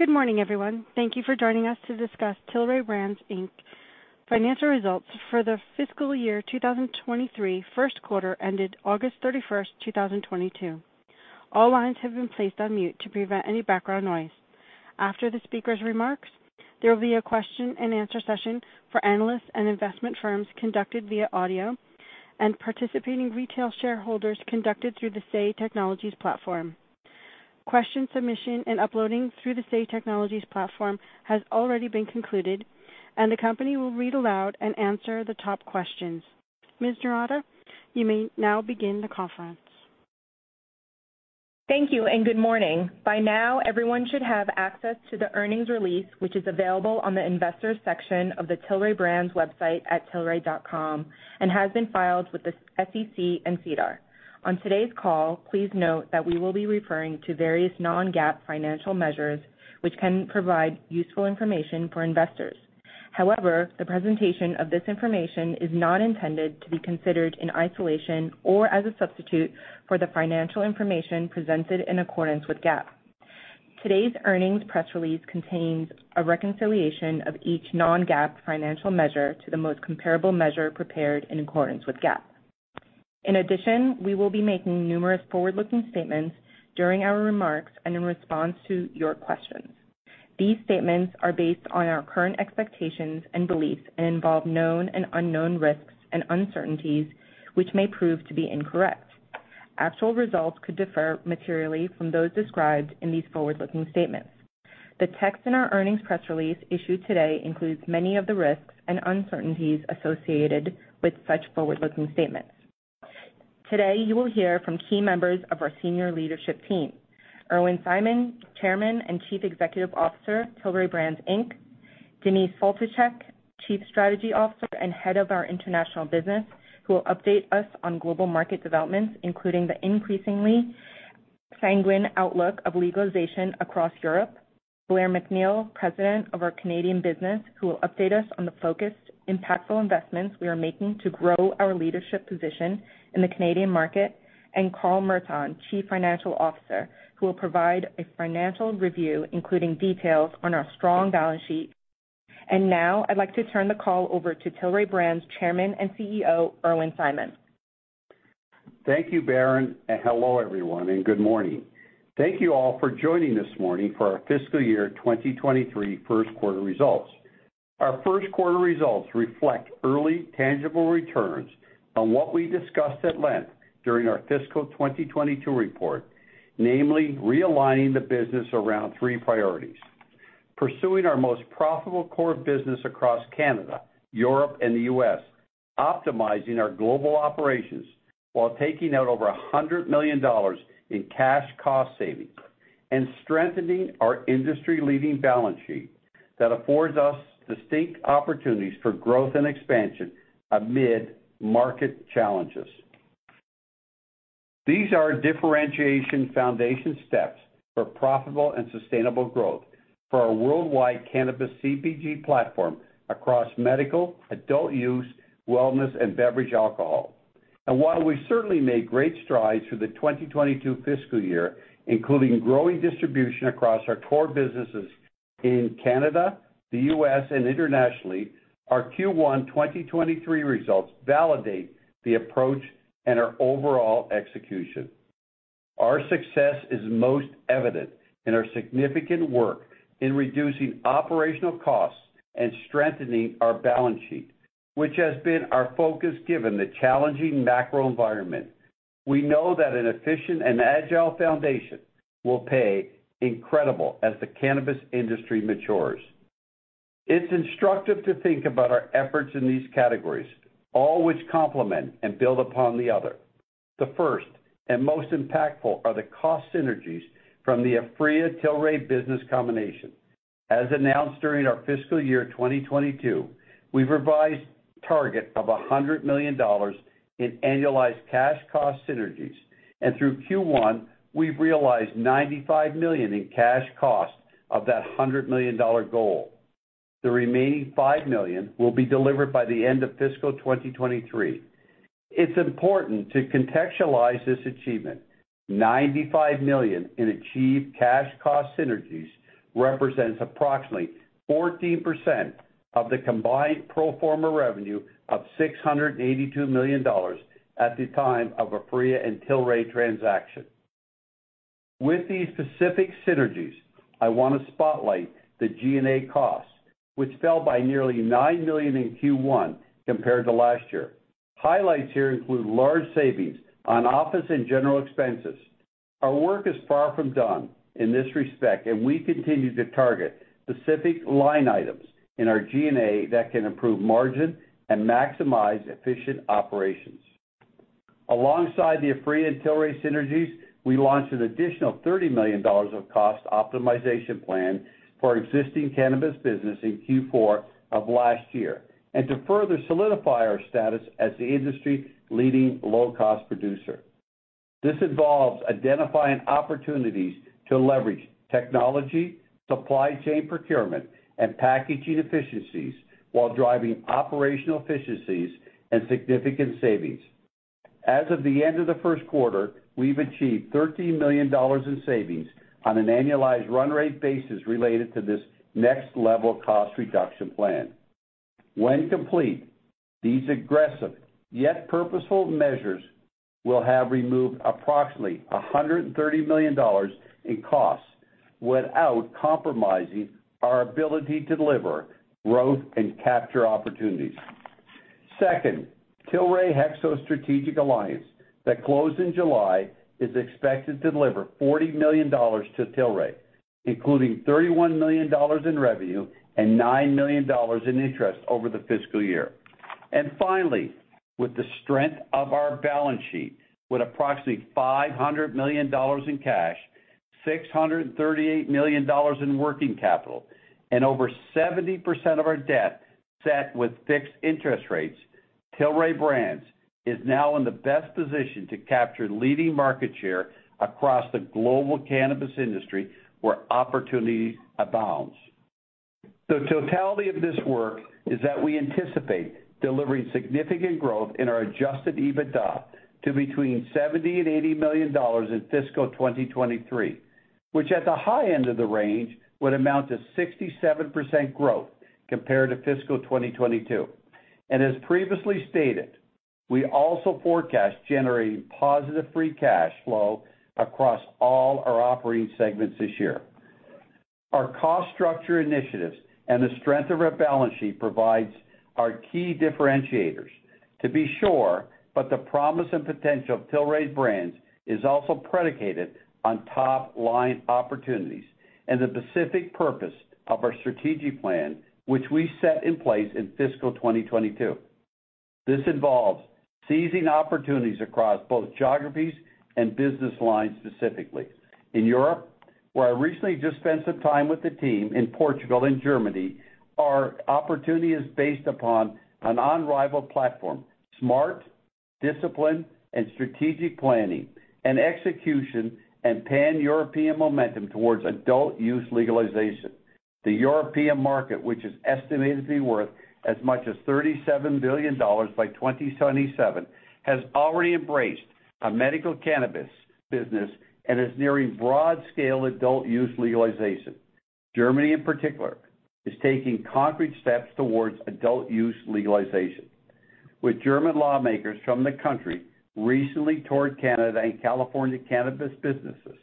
Good morning, everyone. Thank you for joining us to discuss Tilray Brands, Inc. Financial Results for the Fiscal Year 2023 First Quarter Ended August 31, 2022. All lines have been placed on mute to prevent any background noise. After the speaker's remarks, there will be a question-and-answer session for analysts and investment firms conducted via audio and participating retail shareholders conducted through the Say Technologies platform. Question submission and uploading through the Say Technologies platform has already been concluded and the company will read aloud and answer the top questions. Ms. Noorata, you may now begin the conference. Thank you and good morning. By now, everyone should have access to the earnings release, which is available on the Investors section of the Tilray Brands website at tilray.com and has been filed with the SEC and SEDAR. On today's call, please note that we will be referring to various non-GAAP financial measures which can provide useful information for investors. However, the presentation of this information is not intended to be considered in isolation or as a substitute for the financial information presented in accordance with GAAP. Today's earnings press release contains a reconciliation of each non-GAAP financial measure to the most comparable measure prepared in accordance with GAAP. In addition, we will be making numerous forward-looking statements during our remarks and in response to your questions. These statements are based on our current expectations and beliefs and involve known and unknown risks and uncertainties, which may prove to be incorrect. Actual results could differ materially from those described in these forward-looking statements. The text in our earnings press release issued today includes many of the risks and uncertainties associated with such forward-looking statements. Today, you will hear from key members of our senior leadership team, Irwin Simon, Chairman and Chief Executive Officer, Tilray Brands, Inc. Denise Faltischek, Chief Strategy Officer and Head of our International Business, who will update us on global market developments, including the increasingly sanguine outlook of legalization across Europe. Blair MacNeil, President of our Canadian business, who will update us on the focused, impactful investments we are making to grow our leadership position in the Canadian market. Carl Merton, Chief Financial Officer, who will provide a financial review, including details on our strong balance sheet. Now, I'd like to turn the call over to Tilray Brands' Chairman and CEO, Irwin Simon. Thank you, Berrin, and hello, everyone, and good morning. Thank you all for joining this morning for our fiscal year 2023 first quarter results. Our first quarter results reflect early tangible returns on what we discussed at length during our fiscal 2022 report, namely realigning the business around three priorities, pursuing our most profitable core business across Canada, Europe, and the U.S., optimizing our global operations while taking out over $100 million in cash cost savings, and strengthening our industry-leading balance sheet that affords us distinct opportunities for growth and expansion amid market challenges. These are differentiation foundation steps for profitable and sustainable growth for our worldwide cannabis CPG platform across medical, adult-use, wellness, and beverage alcohol. While we certainly made great strides through the 2022 fiscal year, including growing distribution across our core businesses in Canada, the U.S., and internationally, our Q1 2023 results validate the approach and our overall execution. Our success is most evident in our significant work in reducing operational costs and strengthening our balance sheet, which has been our focus given the challenging macro environment. We know that an efficient and agile foundation will pay incredible as the cannabis industry matures. It's instructive to think about our efforts in these categories, all which complement and build upon the other. The first and most impactful are the cost synergies from the Aphria-Tilray business combination. As announced during our fiscal year 2022, we've revised target of $100 million in annualized cash cost synergies, and through Q1, we've realized $95 million in cash cost of that $100 million dollar goal. The remaining $5 million will be delivered by the end of fiscal 2023. It's important to contextualize this achievement. $95 million in achieved cash cost synergies represents approximately 14% of the combined pro forma revenue of $682 million at the time of Aphria and Tilray transaction. With these specific synergies, I want to spotlight the G&A costs, which fell by nearly $9 million in Q1 compared to last year. Highlights here include large savings on office and general expenses. Our work is far from done in this respect, and we continue to target specific line items in our G&A that can improve margin and maximize efficient operations. Alongside the Aphria and Tilray synergies, we launched an additional $30 million of cost optimization plan for existing cannabis business in Q4 of last year, and to further solidify our status as the industry-leading low-cost producer. This involves identifying opportunities to leverage technology, supply chain procurement, and packaging efficiencies while driving operational efficiencies and significant savings. As of the end of the first quarter, we've achieved $13 million in savings on an annualized run rate basis related to this next level cost reduction plan. When complete, these aggressive, yet purposeful measures will have removed approximately $130 million in costs without compromising our ability to deliver growth and capture opportunities. Second, Tilray-HEXO strategic alliance that closed in July is expected to deliver $40 million to Tilray, including $31 million in revenue and $9 million in interest over the fiscal year. Finally, with the strength of our balance sheet, with approximately $500 million in cash, $638 million in working capital, and over 70% of our debt set with fixed interest rates, Tilray Brands is now in the best position to capture leading market share across the global cannabis industry where opportunity abounds. The totality of this work is that we anticipate delivering significant growth in our Adjusted EBITDA to between $70 million and $80 million in fiscal 2023, which at the high end of the range would amount to 67% growth compared to fiscal 2022. As previously stated, we also forecast generating positive free cash flow across all our operating segments this year. Our cost structure initiatives and the strength of our balance sheet provides our key differentiators. To be sure, but the promise and potential of Tilray Brands is also predicated on top-line opportunities and the specific purpose of our strategic plan, which we set in place in fiscal 2022. This involves seizing opportunities across both geographies and business lines, specifically. In Europe, where I recently just spent some time with the team in Portugal and Germany, our opportunity is based upon an unrivaled platform, smart, disciplined, and strategic planning and execution and Pan-European momentum towards adult use legalization. The European market, which is estimated to be worth as much as $37 billion by 2077, has already embraced a medical cannabis business and is nearing broad-scale adult use legalization. Germany, in particular, is taking concrete steps towards adult use legalization, with German lawmakers from the country recently toured Canada and California cannabis businesses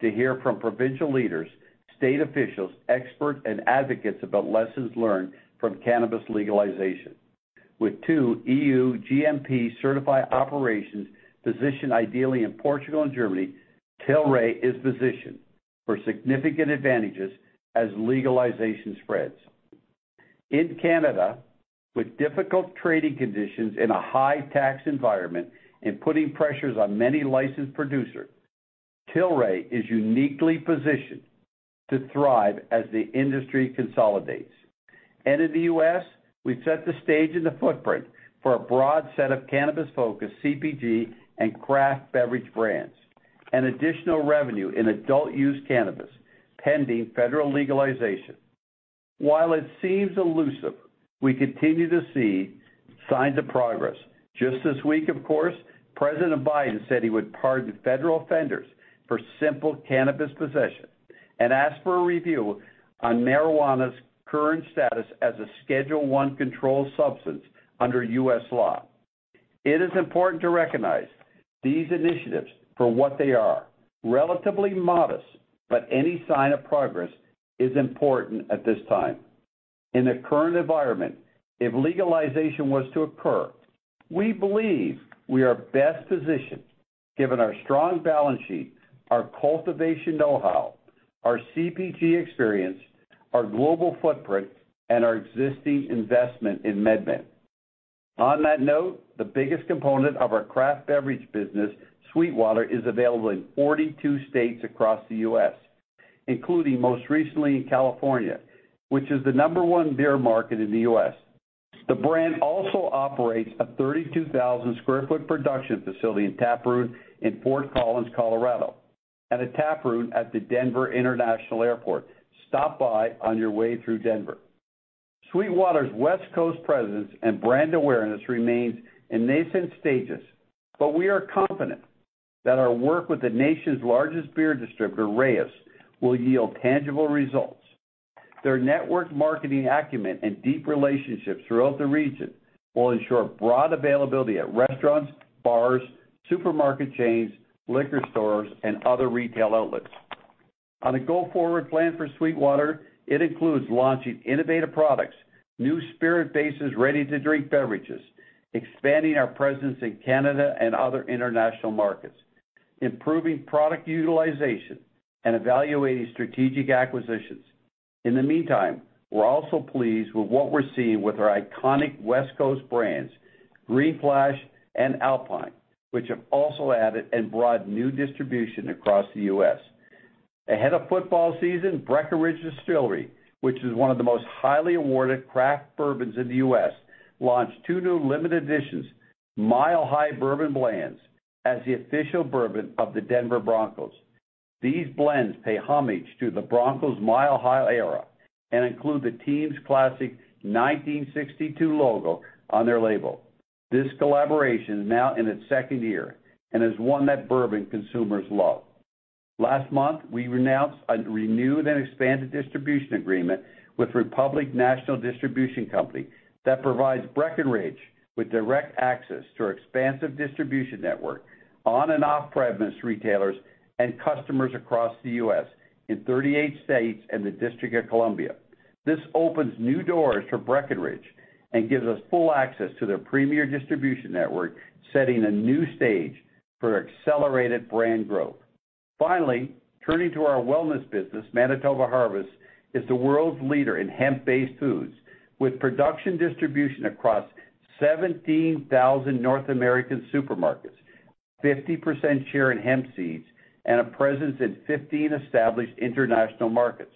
to hear from provincial leaders, state officials, experts, and advocates about lessons learned from cannabis legalization. With two EU GMP-certified operations positioned ideally in Portugal and Germany, Tilray is positioned for significant advantages as legalization spreads. In Canada, with difficult trading conditions in a high tax environment and putting pressures on many licensed producers, Tilray is uniquely positioned to thrive as the industry consolidates. In the U.S., we've set the stage in the footprint for a broad set of cannabis-focused CPG and craft beverage brands, and additional revenue in adult use cannabis, pending federal legalization. While it seems elusive, we continue to see signs of progress. Just this week, of course, President Biden said he would pardon federal offenders for simple cannabis possession and ask for a review on marijuana's current status as a Schedule I controlled substance under U.S. law. It is important to recognize these initiatives for what they are, relatively modest, but any sign of progress is important at this time. In the current environment, if legalization was to occur, we believe we are best positioned given our strong balance sheet, our cultivation know-how, our CPG experience, our global footprint, and our existing investment in MedMen. On that note, the biggest component of our craft beverage business, SweetWater, is available in 42 states across the U.S., including most recently in California, which is the number one beer market in the U.S. The brand also operates a 32,000 sq ft production facility in Taproot in Fort Collins, Colorado, and a taproom at the Denver International Airport. Stop by on your way through Denver. SweetWater's West Coast presence and brand awareness remains in nascent stages, but we are confident that our work with the nation's largest beer distributor, Reyes, will yield tangible results. Their network marketing acumen and deep relationships throughout the region will ensure broad availability at restaurants, bars, supermarket chains, liquor stores, and other retail outlets. On a go-forward plan for SweetWater, it includes launching innovative products, new spirit-based ready-to-drink beverages, expanding our presence in Canada and other international markets, improving product utilization, and evaluating strategic acquisitions. In the meantime, we're also pleased with what we're seeing with our iconic West Coast brands, Green Flash and Alpine, which have also added and brought new distribution across the U.S. Ahead of football season, Breckenridge Distillery, which is one of the most highly awarded craft bourbons in the U.S., launched two new limited editions, Mile High Bourbon Blend. As the official bourbon of the Denver Broncos, these blends pay homage to the Broncos Mile High era and include the team's classic 1962 logo on their label. This collaboration is now in its second year and is one that bourbon consumers love. Last month, we announced a renewed and expanded distribution agreement with Republic National Distributing Company that provides Breckenridge with direct access to our expansive distribution network on- and off-premise retailers and customers across the U.S. in 38 states and the District of Columbia. This opens new doors for Breckenridge and gives us full access to their premier distribution network, setting a new stage for accelerated brand growth. Finally, turning to our wellness business, Manitoba Harvest is the world's leader in hemp-based foods, with production distribution across 17,000 North American supermarkets, 50% share in hemp seeds, and a presence in 15 established international markets.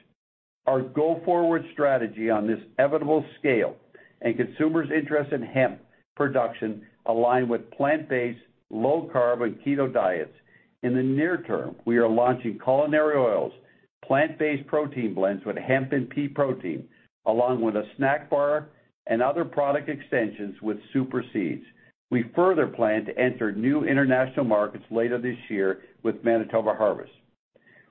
Our go-forward strategy on this inevitable scale and consumers' interest in hemp production align with plant-based, low-carb, and keto diets. In the near term, we are launching culinary oils, plant-based protein blends with hemp and pea protein, along with a snack bar and other product extensions with super seeds. We further plan to enter new international markets later this year with Manitoba Harvest.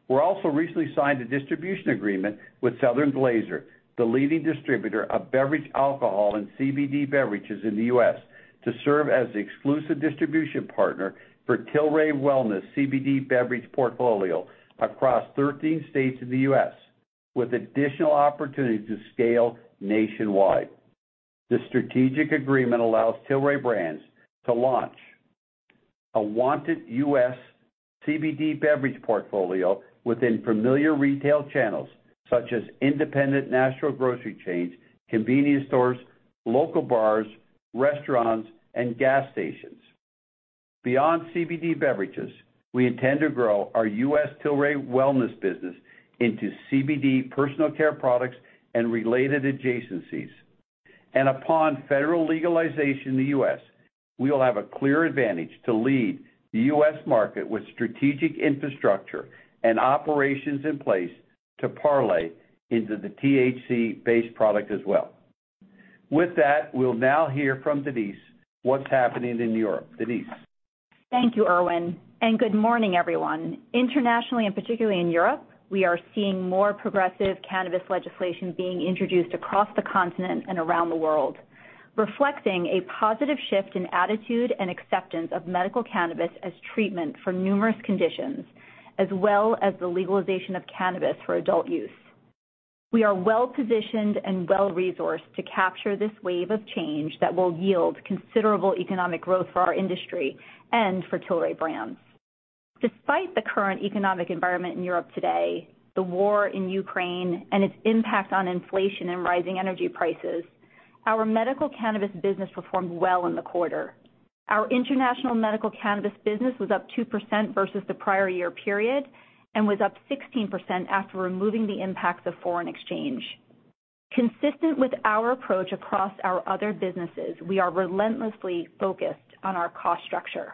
We also recently signed a distribution agreement with Southern Glazer's, the leading distributor of beverage alcohol and CBD beverages in the U.S., to serve as the exclusive distribution partner for Tilray Wellness CBD beverage portfolio across 13 states in the U.S., with additional opportunities to scale nationwide. This strategic agreement allows Tilray Brands to launch awaited U.S. CBD beverage portfolio within familiar retail channels such as independent natural grocery chains, convenience stores, local bars, restaurants, and gas stations. Beyond CBD beverages, we intend to grow our U.S. Tilray Wellness business into CBD personal care products and related adjacencies. Upon federal legalization in the U.S., we will have a clear advantage to lead the U.S. market with strategic infrastructure and operations in place to parlay into the THC-based product as well. With that, we'll now hear from Denise what's happening in Europe. Denise. Thank you, Irwin, and good morning, everyone. Internationally, and particularly in Europe, we are seeing more progressive cannabis legislation being introduced across the continent and around the world, reflecting a positive shift in attitude and acceptance of medical cannabis as treatment for numerous conditions, as well as the legalization of cannabis for adult use. We are well-positioned and well-resourced to capture this wave of change that will yield considerable economic growth for our industry and for Tilray Brands. Despite the current economic environment in Europe today, the war in Ukraine, and its impact on inflation and rising energy prices, our medical cannabis business performed well in the quarter. Our international medical cannabis business was up 2% versus the prior year period and was up 16% after removing the impacts of foreign exchange. Consistent with our approach across our other businesses, we are relentlessly focused on our cost structure.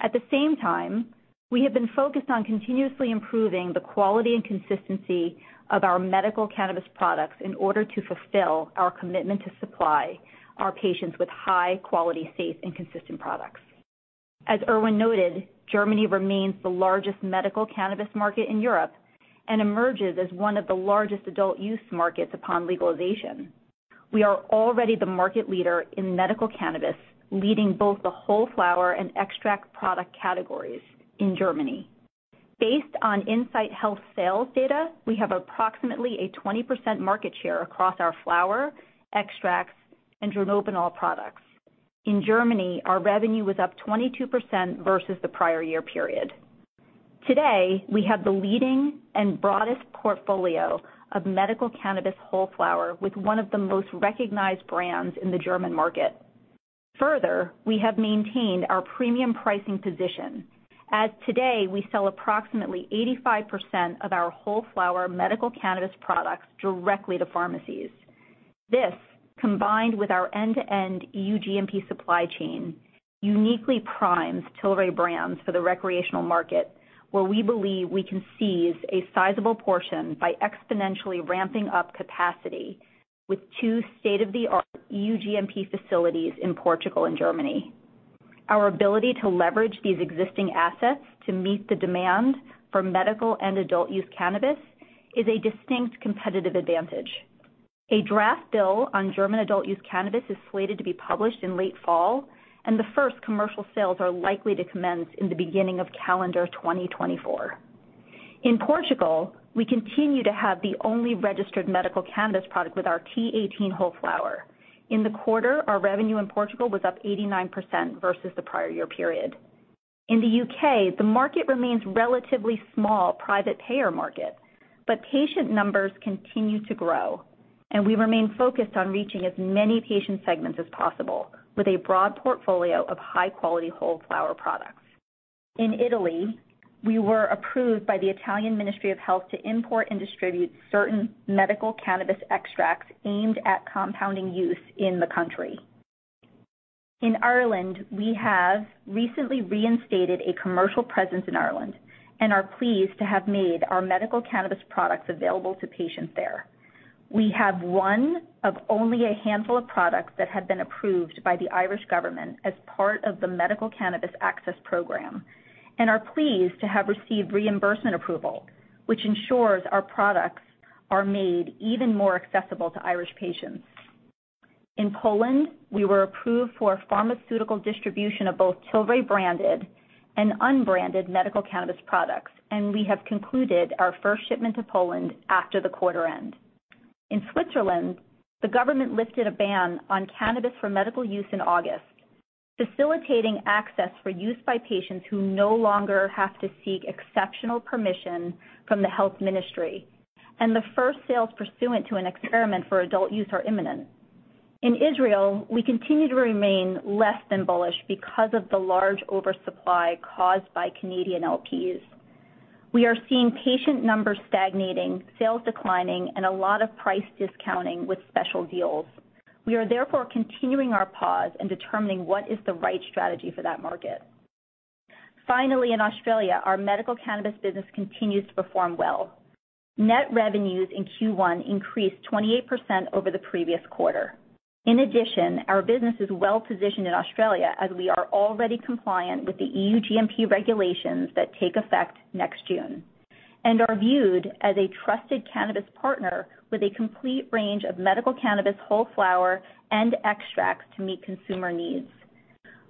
At the same time, we have been focused on continuously improving the quality and consistency of our medical cannabis products in order to fulfill our commitment to supply our patients with high-quality, safe, and consistent products. As Irwin noted, Germany remains the largest medical cannabis market in Europe and emerges as one of the largest adult use markets upon legalization. We are already the market leader in medical cannabis, leading both the whole flower and extract product categories in Germany. Based on Insight Health sales data, we have approximately a 20% market share across our flower, extracts, and dronabinol products. In Germany, our revenue was up 22% versus the prior year period. Today, we have the leading and broadest portfolio of medical cannabis whole flower with one of the most recognized brands in the German market. Further, we have maintained our premium pricing position. As of today, we sell approximately 85% of our whole flower medical cannabis products directly to pharmacies. This, combined with our end-to-end EU GMP supply chain, uniquely primes Tilray Brands for the recreational market, where we believe we can seize a sizable portion by exponentially ramping up capacity with two state-of-the-art EU GMP facilities in Portugal and Germany. Our ability to leverage these existing assets to meet the demand for medical and adult use cannabis is a distinct competitive advantage. A draft bill on German adult use cannabis is slated to be published in late fall, and the first commercial sales are likely to commence in the beginning of calendar 2024. In Portugal, we continue to have the only registered medical cannabis product with our T18 whole flower. In the quarter, our revenue in Portugal was up 89% versus the prior year period. In the U.K., the market remains relatively small private payer market, but patient numbers continue to grow, and we remain focused on reaching as many patient segments as possible with a broad portfolio of high-quality whole flower products. In Italy, we were approved by the Italian Ministry of Health to import and distribute certain medical cannabis extracts aimed at compounding use in the country. In Ireland, we have recently reinstated a commercial presence in Ireland, and are pleased to have made our medical cannabis products available to patients there. We have one of only a handful of products that have been approved by the Irish government as part of the medical cannabis access program, and are pleased to have received reimbursement approval, which ensures our products are made even more accessible to Irish patients. In Poland, we were approved for pharmaceutical distribution of both Tilray branded and unbranded medical cannabis products, and we have concluded our first shipment to Poland after the quarter end. In Switzerland, the government lifted a ban on cannabis for medical use in August, facilitating access for use by patients who no longer have to seek exceptional permission from the health ministry, and the first sales pursuant to an experiment for adult use are imminent. In Israel, we continue to remain less than bullish because of the large oversupply caused by Canadian LPs. We are seeing patient numbers stagnating, sales declining, and a lot of price discounting with special deals. We are therefore continuing our pause and determining what is the right strategy for that market. Finally, in Australia, our medical cannabis business continues to perform well. Net revenues in Q1 increased 28% over the previous quarter. In addition, our business is well-positioned in Australia as we are already compliant with the EU GMP regulations that take effect next June, and are viewed as a trusted cannabis partner with a complete range of medical cannabis whole flower and extracts to meet consumer needs.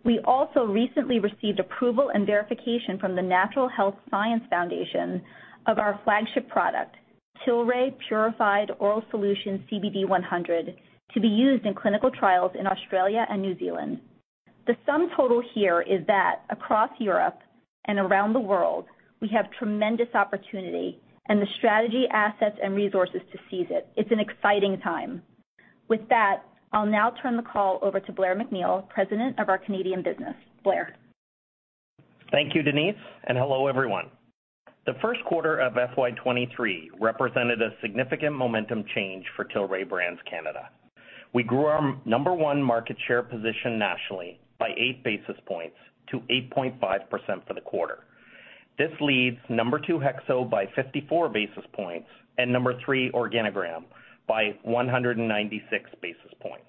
We also recently received approval and verification from the Natural Health Science Foundation of our flagship product, Tilray Purified Oral Solution CBD100, to be used in clinical trials in Australia and New Zealand. The sum total here is that across Europe and around the world, we have tremendous opportunity, and the strategy, assets and resources to seize it. It's an exciting time. With that, I'll now turn the call over to Blair MacNeil, President of our Canadian business. Blair. Thank you, Denise, and hello, everyone. The first quarter of FY 2023 represented a significant momentum change for Tilray Brands Canada. We grew our number one market share position nationally by eight basis points to 8.5% for the quarter. This leads number two HEXO by 54 basis points and number three Organigram by 196 basis points.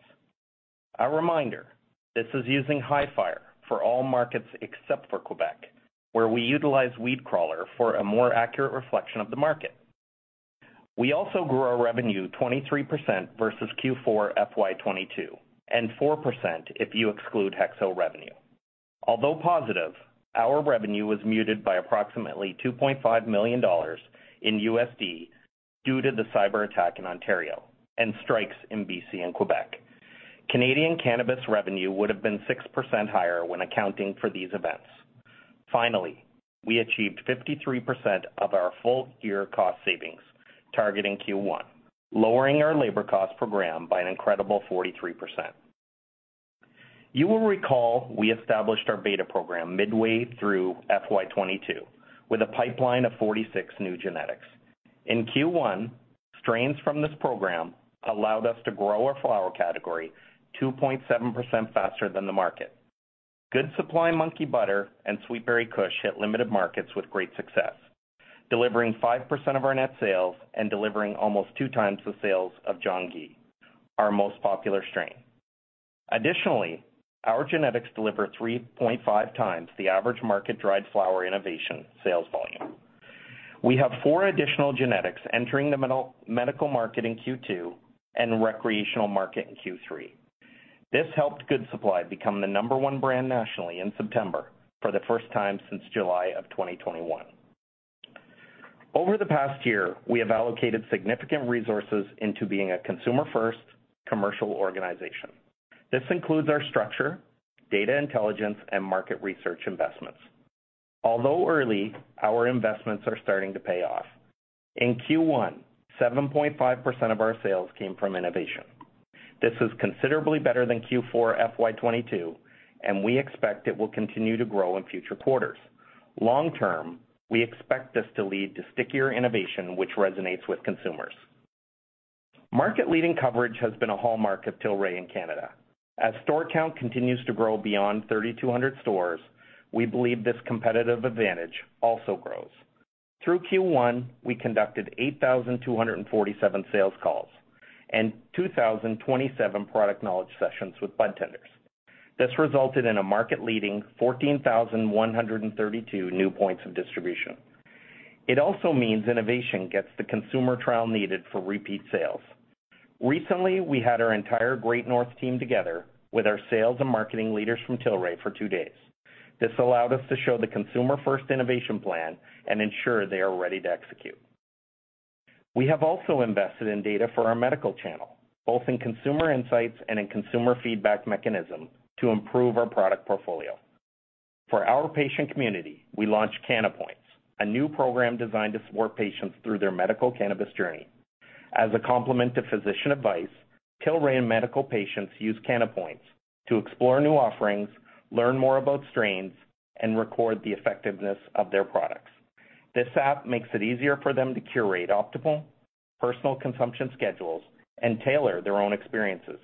A reminder, this is using Hifyre for all markets except for Quebec, where we utilize WeedCrawler for a more accurate reflection of the market. We also grew our revenue 23% versus Q4 FY 2022, and 4% if you exclude HEXO revenue. Although positive, our revenue was muted by approximately $2.5 million due to the cyber attack in Ontario and strikes in BC and Quebec. Canadian cannabis revenue would have been 6% higher when accounting for these events. Finally, we achieved 53% of our full year cost savings, targeting Q1, lowering our labor cost per gram by an incredible 43%. You will recall we established our beta program midway through FY 2022 with a pipeline of 46 new genetics. In Q1, strains from this program allowed us to grow our flower category 2.7% faster than the market. Good Supply, Monkey Butter and Sweet Berry Kush hit limited markets with great success, delivering 5% of our net sales and delivering almost 2x the sales of Jean Guy, our most popular strain. Additionally, our genetics deliver 3.5x the average market dried flower innovation sales volume. We have four additional genetics entering the medical market in Q2 and recreational market in Q3. This helped Good Supply become the number one brand nationally in September for the first time since July of 2021. Over the past year, we have allocated significant resources into being a consumer-first commercial organization. This includes our structure, data intelligence, and market research investments. Although early, our investments are starting to pay off. In Q1, 7.5% of our sales came from innovation. This is considerably better than Q4 FY 2022, and we expect it will continue to grow in future quarters. Long term, we expect this to lead to stickier innovation which resonates with consumers. Market-leading coverage has been a hallmark of Tilray in Canada. As store count continues to grow beyond 3,200 stores, we believe this competitive advantage also grows. Through Q1, we conducted 8,247 sales calls and 2,027 product knowledge sessions with budtenders. This resulted in a market-leading 14,132 new points of distribution. It also means innovation gets the consumer trial needed for repeat sales. Recently, we had our entire Great North team together with our sales and marketing leaders from Tilray for two days. This allowed us to show the consumer-first innovation plan and ensure they are ready to execute. We have also invested in data for our medical channel, both in consumer insights and in consumer feedback mechanism to improve our product portfolio. For our patient community, we launched CannaPoints, a new program designed to support patients through their medical cannabis journey. As a complement to physician advice, Tilray Medical patients use CannaPoints to explore new offerings, learn more about strains, and record the effectiveness of their products. This app makes it easier for them to curate optimal personal consumption schedules and tailor their own experiences.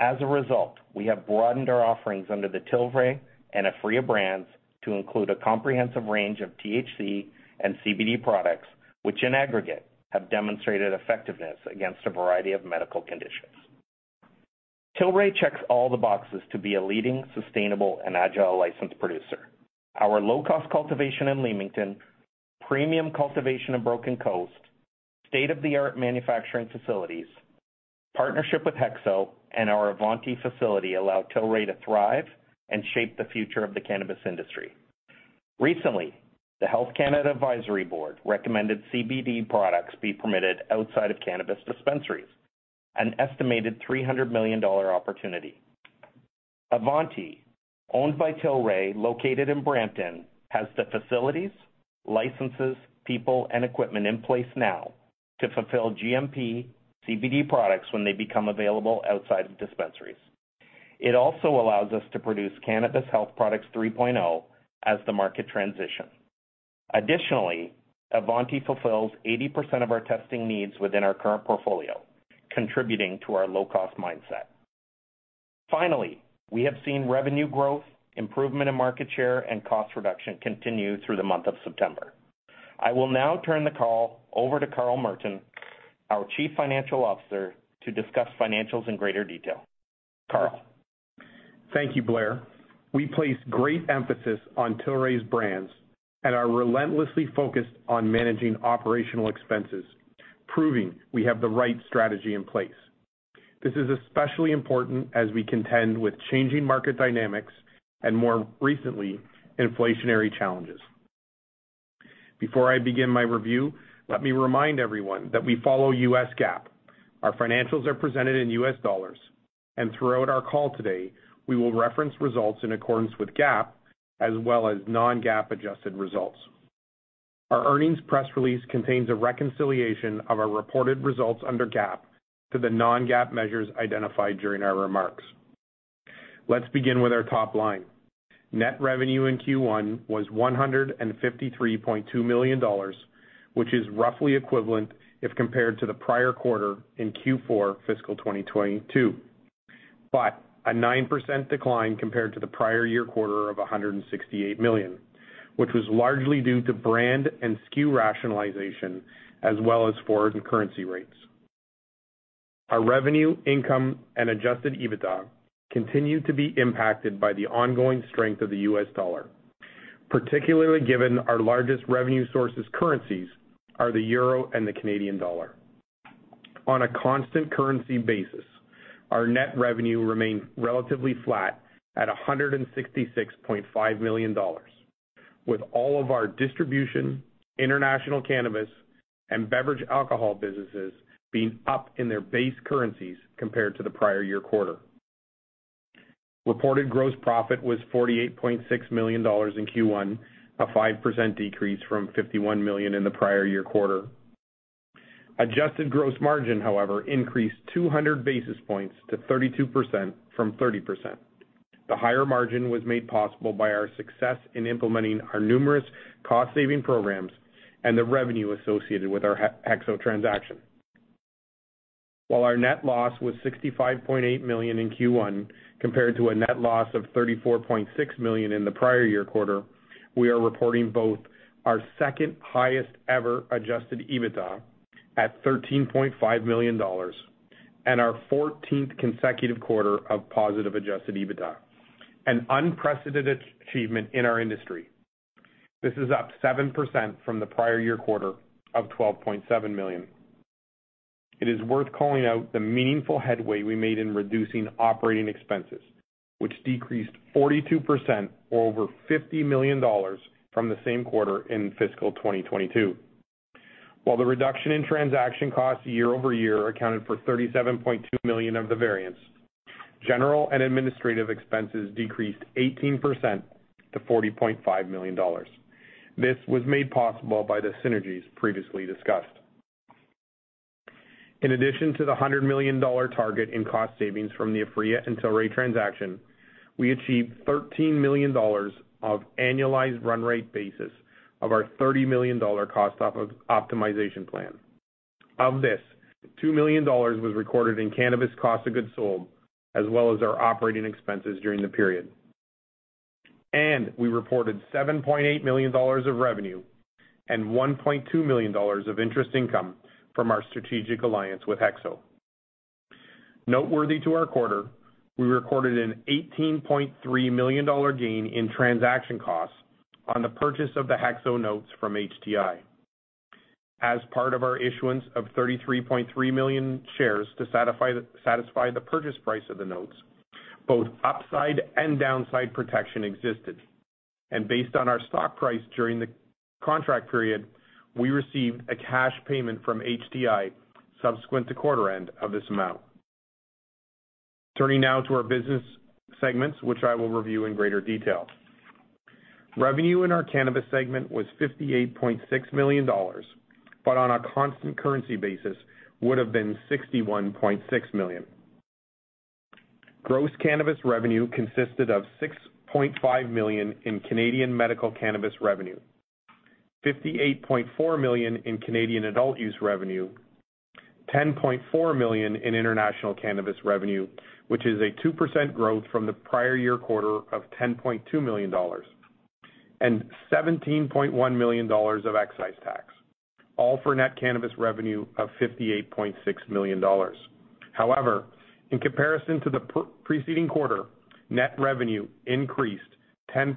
As a result, we have broadened our offerings under the Tilray and Aphria brands to include a comprehensive range of THC and CBD products, which in aggregate have demonstrated effectiveness against a variety of medical conditions. Tilray checks all the boxes to be a leading, sustainable, and agile licensed producer. Our low-cost cultivation in Leamington, premium cultivation in Broken Coast, state-of-the-art manufacturing facilities, partnership with HEXO, and our Avanti facility allow Tilray to thrive and shape the future of the cannabis industry. Recently, the Health Canada Advisory Board recommended CBD products be permitted outside of cannabis dispensaries, an estimated $300 million opportunity. Avanti, owned by Tilray, located in Brampton, has the facilities, licenses, people, and equipment in place now to fulfill GMP CBD products when they become available outside of dispensaries. It also allows us to produce Cannabis Health Products 3.0 as the market transition. Additionally, Avanti fulfills 80% of our testing needs within our current portfolio, contributing to our low-cost mindset. Finally, we have seen revenue growth, improvement in market share, and cost reduction continue through the month of September. I will now turn the call over to Carl Merton, our Chief Financial Officer, to discuss financials in greater detail. Carl. Thank you, Blair. We place great emphasis on Tilray's brands and are relentlessly focused on managing operational expenses, proving we have the right strategy in place. This is especially important as we contend with changing market dynamics and more recently, inflationary challenges. Before I begin my review, let me remind everyone that we follow U.S. GAAP. Our financials are presented in U.S. dollars, and throughout our call today, we will reference results in accordance with GAAP as well as non-GAAP adjusted results. Our earnings press release contains a reconciliation of our reported results under GAAP to the non-GAAP measures identified during our remarks. Let's begin with our top line. Net revenue in Q1 was $153.2 million, which is roughly equivalent if compared to the prior quarter in Q4 fiscal 2022. A 9% decline compared to the prior year quarter of $168 million, which was largely due to brand and SKU rationalization as well as foreign currency rates. Our revenue, income, and Adjusted EBITDA continue to be impacted by the ongoing strength of the US dollar, particularly given our largest revenue sources currencies are the euro and the Canadian dollar. On a constant currency basis, our net revenue remained relatively flat at $166.5 million, with all of our distribution, international cannabis, and beverage alcohol businesses being up in their base currencies compared to the prior year quarter. Reported gross profit was $48.6 million in Q1, a 5% decrease from $51 million in the prior year quarter. Adjusted gross margin, however, increased 200 basis points to 32% from 30%. The higher margin was made possible by our success in implementing our numerous cost-saving programs and the revenue associated with our HEXO transaction. While our net loss was $65.8 million in Q1, compared to a net loss of $34.6 million in the prior year quarter, we are reporting both our second highest ever Adjusted EBITDA at $13.5 million and our 14th consecutive quarter of positive Adjusted EBITDA, an unprecedented achievement in our industry. This is up 7% from the prior year quarter of $12.7 million. It is worth calling out the meaningful headway we made in reducing operating expenses, which decreased 42% or over $50 million from the same quarter in fiscal 2022. While the reduction in transaction costs year-over-year accounted for $37.2 million of the variance, general and administrative expenses decreased 18% to $40.5 million. This was made possible by the synergies previously discussed. In addition to the $100 million dollar target in cost savings from the Aphria and Tilray transaction, we achieved $13 million dollars of annualized run rate basis of our $30 million dollar cost optimization plan. Of this, $2 million dollars was recorded in cannabis cost of goods sold, as well as our operating expenses during the period. We reported $7.8 million dollars of revenue and $1.2 million dollars of interest income from our strategic alliance with HEXO. Noteworthy to our quarter, we recorded an $18.3 million dollar gain in transaction costs on the purchase of the HEXO notes from HTI. As part of our issuance of 33.3 million shares to satisfy the purchase price of the notes, both upside and downside protection existed. Based on our stock price during the contract period, we received a cash payment from HTI subsequent to quarter end of this amount. Turning now to our business segments, which I will review in greater detail. Revenue in our cannabis segment was $58.6 million, but on a constant currency basis would have been $61.6 million. Gross cannabis revenue consisted of $6.5 million in Canadian medical cannabis revenue, $58.4 million in Canadian adult use revenue, $10.4 million in international cannabis revenue, which is a 2% growth from the prior year quarter of $10.2 million, and $17.1 million of excise tax, all for net cannabis revenue of $58.6 million. However, in comparison to the preceding quarter, net revenue increased 10%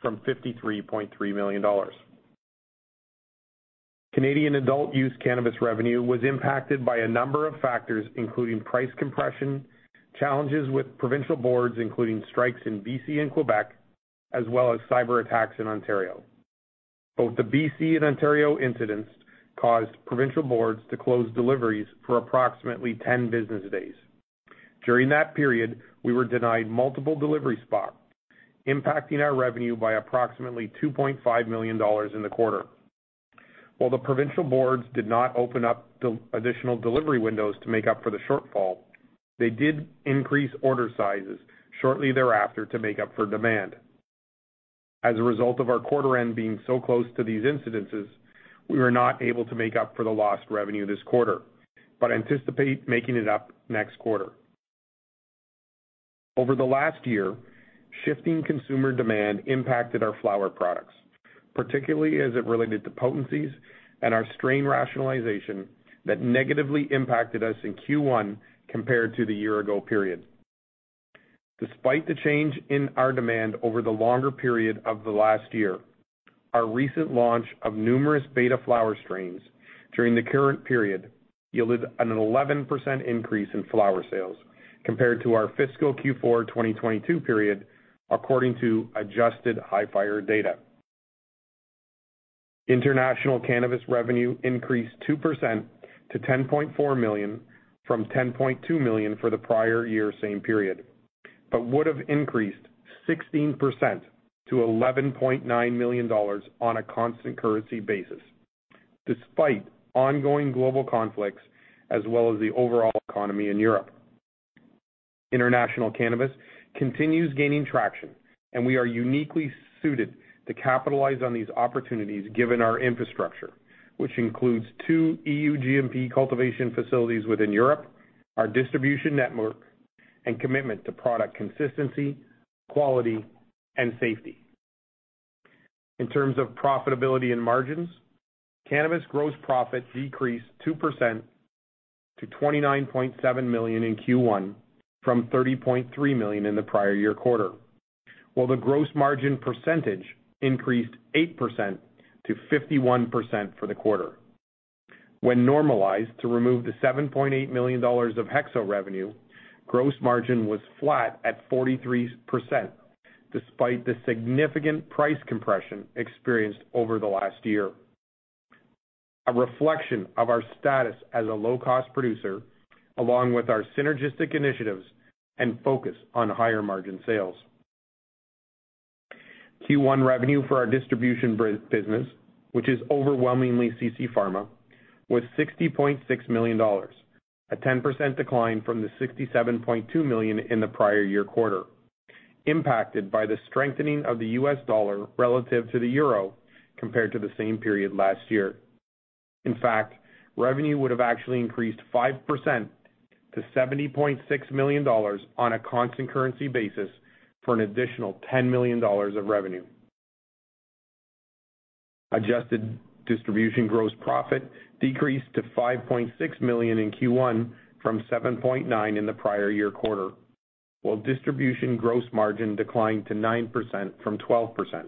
from $53.3 million. Canadian adult use cannabis revenue was impacted by a number of factors, including price compression, challenges with provincial boards, including strikes in B.C. and Quebec, as well as cyberattacks in Ontario. Both the B.C. and Ontario incidents caused provincial boards to close deliveries for approximately 10 business days. During that period, we were denied multiple delivery spots, impacting our revenue by approximately $2.5 million in the quarter. While the provincial boards did not open up the additional delivery windows to make up for the shortfall, they did increase order sizes shortly thereafter to make up for demand. As a result of our quarter end being so close to these incidences, we were not able to make up for the lost revenue this quarter, but anticipate making it up next quarter. Over the last year, shifting consumer demand impacted our flower products, particularly as it related to potencies and our strain rationalization that negatively impacted us in Q1 compared to the year ago period. Despite the change in our demand over the longer period of the last year, our recent launch of numerous beta flower strains during the current period yielded an 11% increase in flower sales compared to our fiscal Q4 2022 period according to adjusted Hifyre data. International cannabis revenue increased 2% to $10.4 million from $10.2 million for the prior year same period, but would have increased 16% to $11.9 million on a constant currency basis, despite ongoing global conflicts as well as the overall economy in Europe. International cannabis continues gaining traction, and we are uniquely suited to capitalize on these opportunities given our infrastructure, which includes two EU GMP cultivation facilities within Europe, our distribution network, and commitment to product consistency, quality, and safety. In terms of profitability and margins, cannabis gross profit decreased 2% to $29.7 million in Q1 from $30.3 million in the prior year quarter, while the gross margin percentage increased 8% to 51% for the quarter. When normalized to remove the $7.8 million of HEXO revenue, gross margin was flat at 43% despite the significant price compression experienced over the last year. A reflection of our status as a low-cost producer, along with our synergistic initiatives and focus on higher margin sales. Q1 revenue for our distribution business, which is overwhelmingly CC Pharma, was $60.6 million, a 10% decline from the $67.2 million in the prior year quarter, impacted by the strengthening of the U.S. dollar relative to the euro compared to the same period last year. In fact, revenue would have actually increased 5% to $70.6 million on a constant currency basis for an additional $10 million of revenue. Adjusted distribution gross profit decreased to $5.6 million in Q1 from $7.9 million in the prior year quarter, while distribution gross margin declined to 9% from 12%.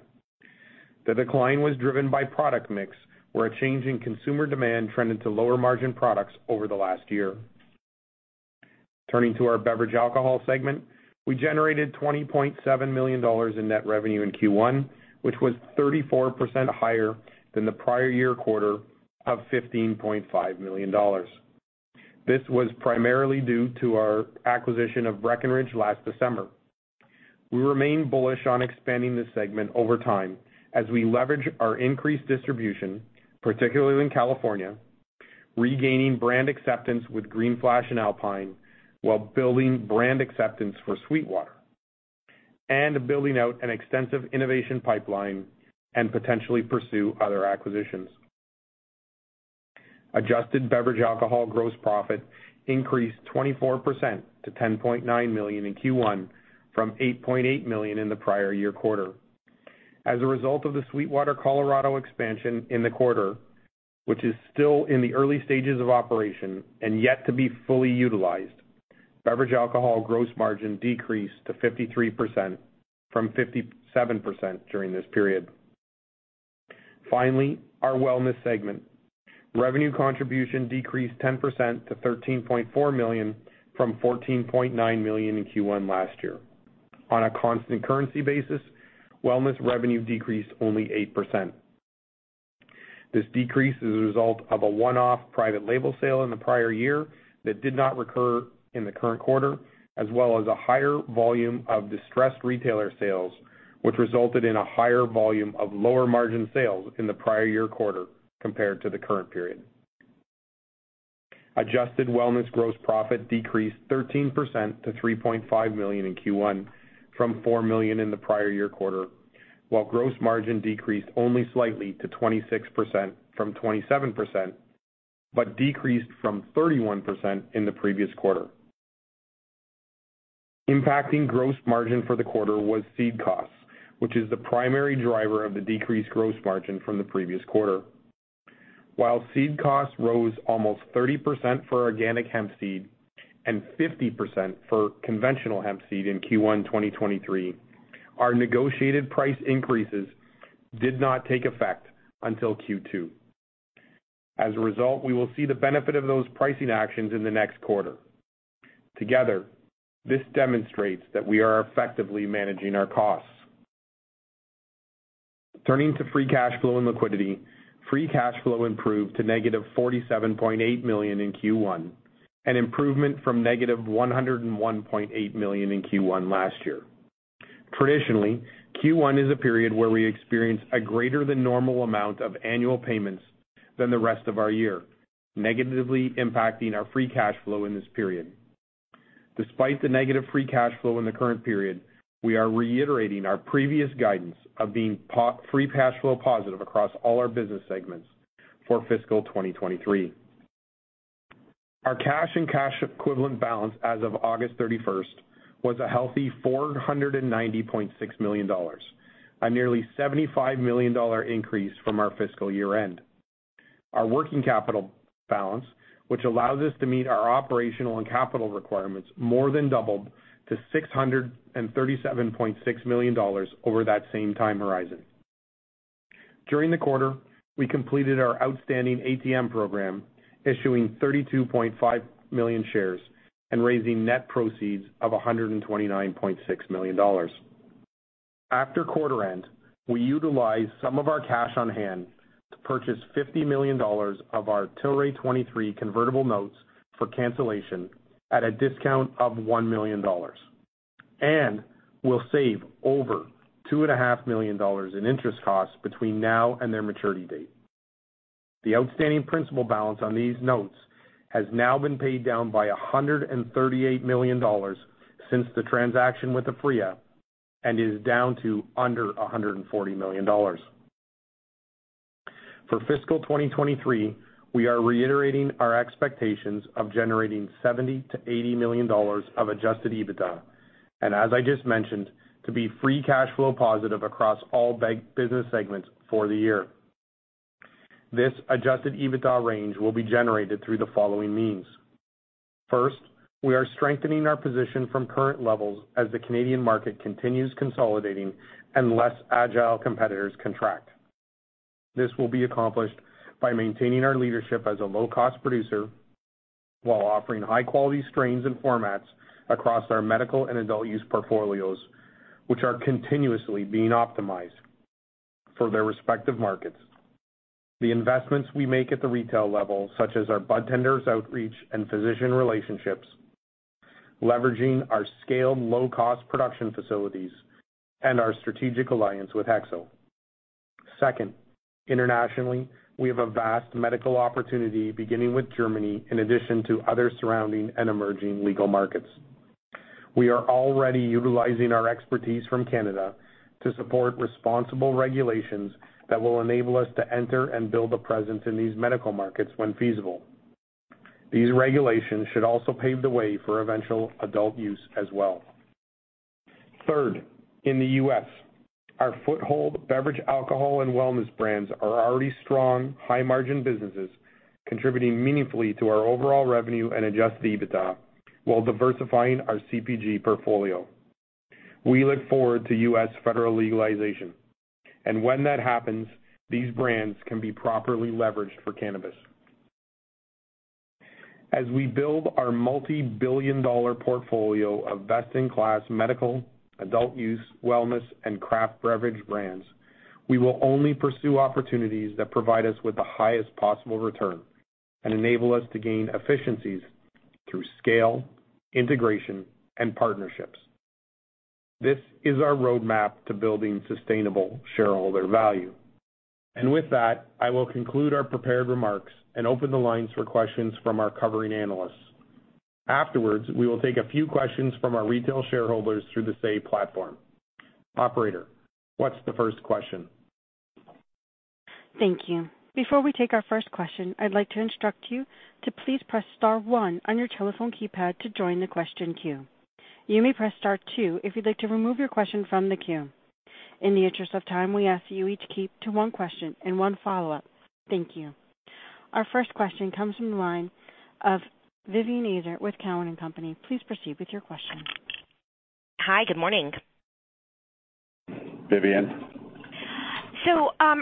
The decline was driven by product mix, where a change in consumer demand trended to lower margin products over the last year. Turning to our beverage alcohol segment, we generated $20.7 million in net revenue in Q1, which was 34% higher than the prior year quarter of $15.5 million. This was primarily due to our acquisition of Breckenridge last December. We remain bullish on expanding this segment over time as we leverage our increased distribution, particularly in California, regaining brand acceptance with Green Flash and Alpine while building brand acceptance for SweetWater, and building out an extensive innovation pipeline and potentially pursue other acquisitions. Adjusted beverage alcohol gross profit increased 24% to $10.9 million in Q1 from $8.8 million in the prior year quarter. As a result of the SweetWater Colorado expansion in the quarter, which is still in the early stages of operation and yet to be fully utilized, beverage alcohol gross margin decreased to 53% from 57% during this period. Finally, our wellness segment revenue contribution decreased 10% to $13.4 million from $14.9 million in Q1 last year. On a constant currency basis, wellness revenue decreased only 8%. This decrease is a result of a one-off private label sale in the prior year that did not recur in the current quarter, as well as a higher volume of distressed retailer sales, which resulted in a higher volume of lower margin sales in the prior year quarter compared to the current period. Adjusted wellness gross profit decreased 13% to $3.5 million in Q1 from $4 million in the prior year quarter, while gross margin decreased only slightly to 26% from 27%, but decreased from 31% in the previous quarter. Impacting gross margin for the quarter was seed costs, which is the primary driver of the decreased gross margin from the previous quarter. While seed costs rose almost 30% for organic hemp seed and 50% for conventional hemp seed in Q1 2023, our negotiated price increases did not take effect until Q2. As a result, we will see the benefit of those pricing actions in the next quarter. Together, this demonstrates that we are effectively managing our costs. Turning to free cash flow and liquidity. Free cash flow improved to negative $47.8 million in Q1, an improvement from negative $101.8 million in Q1 last year. Traditionally, Q1 is a period where we experience a greater than normal amount of annual payments than the rest of our year, negatively impacting our free cash flow in this period. Despite the negative free cash flow in the current period, we are reiterating our previous guidance of being free cash flow positive across all our business segments for fiscal 2023. Our cash and cash equivalent balance as of August 31st was a healthy $496.6 million, a nearly $75 million increase from our fiscal year-end. Our working capital balance, which allows us to meet our operational and capital requirements, more than doubled to $637.6 million over that same time horizon. During the quarter, we completed our outstanding ATM program, issuing 32.5 million shares and raising net proceeds of $129.6 million. After quarter end, we utilized some of our cash on hand to purchase $50 million of our Tilray 2023 convertible notes for cancellation at a discount of $1 million, and we'll save over $2.5 million in interest costs between now and their maturity date. The outstanding principal balance on these notes has now been paid down by $138 million since the transaction with Aphria and is down to under $140 million. For fiscal 2023, we are reiterating our expectations of generating $70 million-$80 million of Adjusted EBITDA, and as I just mentioned, to be free cash flow positive across all of our business segments for the year. This Adjusted EBITDA range will be generated through the following means. First, we are strengthening our position from current levels as the Canadian market continues consolidating and less agile competitors contract. This will be accomplished by maintaining our leadership as a low-cost producer, while offering high-quality strains and formats across our medical and adult-use portfolios, which are continuously being optimized for their respective markets. The investments we make at the retail level, such as our budtenders outreach and physician relationships, leveraging our scaled low-cost production facilities and our strategic alliance with HEXO. Second, internationally, we have a vast medical opportunity beginning with Germany in addition to other surrounding and emerging legal markets. We are already utilizing our expertise from Canada to support responsible regulations that will enable us to enter and build a presence in these medical markets when feasible. These regulations should also pave the way for eventual adult-use as well. Third, in the U.S., our foothold beverage, alcohol, and wellness brands are already strong, high-margin businesses, contributing meaningfully to our overall revenue and Adjusted EBITDA while diversifying our CPG portfolio. We look forward to U.S. federal legalization. When that happens, these brands can be properly leveraged for cannabis. As we build our multi-billion-dollar portfolio of best-in-class medical, adult-use, wellness, and craft beverage brands, we will only pursue opportunities that provide us with the highest possible return and enable us to gain efficiencies through scale, integration, and partnerships. This is our roadmap to building sustainable shareholder value. With that, I will conclude our prepared remarks and open the lines for questions from our covering analysts. Afterwards, we will take a few questions from our retail shareholders through the Say platform. Operator, what's the first question? Thank you. Before we take our first question, I'd like to instruct you to please press star one on your telephone keypad to join the question queue. You may press star two if you'd like to remove your question from the queue. In the interest of time, we ask you each keep to one question and one follow-up. Thank you. Our first question comes from the line of Vivien Azer with Cowen and Company. Please proceed with your question. Hi. Good morning. Vivian.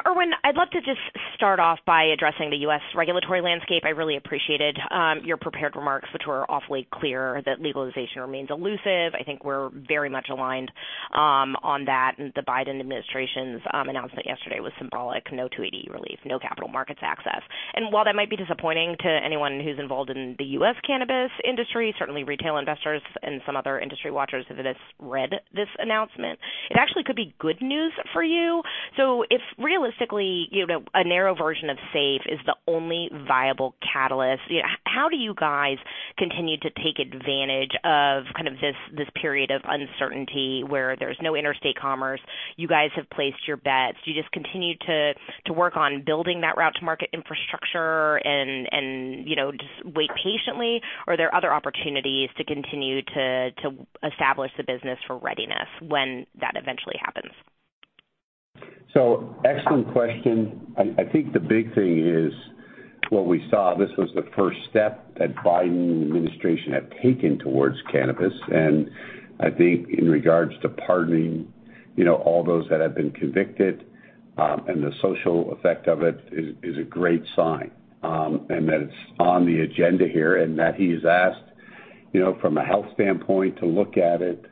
Irwin, I'd love to just start off by addressing the U.S. regulatory landscape. I really appreciated your prepared remarks, which were awfully clear that legalization remains elusive. I think we're very much aligned on that, and the Biden administration's announcement yesterday was symbolic. No 280E relief, no capital markets access. While that might be disappointing to anyone who's involved in the U.S. cannabis industry, certainly retail investors and some other industry watchers have just read this announcement. It actually could be good news for you. If realistically, you know, a narrow version of SAFE is the only viable catalyst, you know, how do you guys continue to take advantage of kind of this period of uncertainty where there's no interstate commerce? You guys have placed your bets. Do you just continue to work on building that route-to-market infrastructure and, you know, just wait patiently? Or are there other opportunities to continue to establish the business for readiness when that eventually happens? Excellent question. I think the big thing is what we saw, this was the first step that Biden and the administration have taken towards cannabis. I think in regards to pardoning, you know, all those that have been convicted, and the social effect of it is a great sign, and that it's on the agenda here and that he's asked, you know, from a health standpoint to look at it,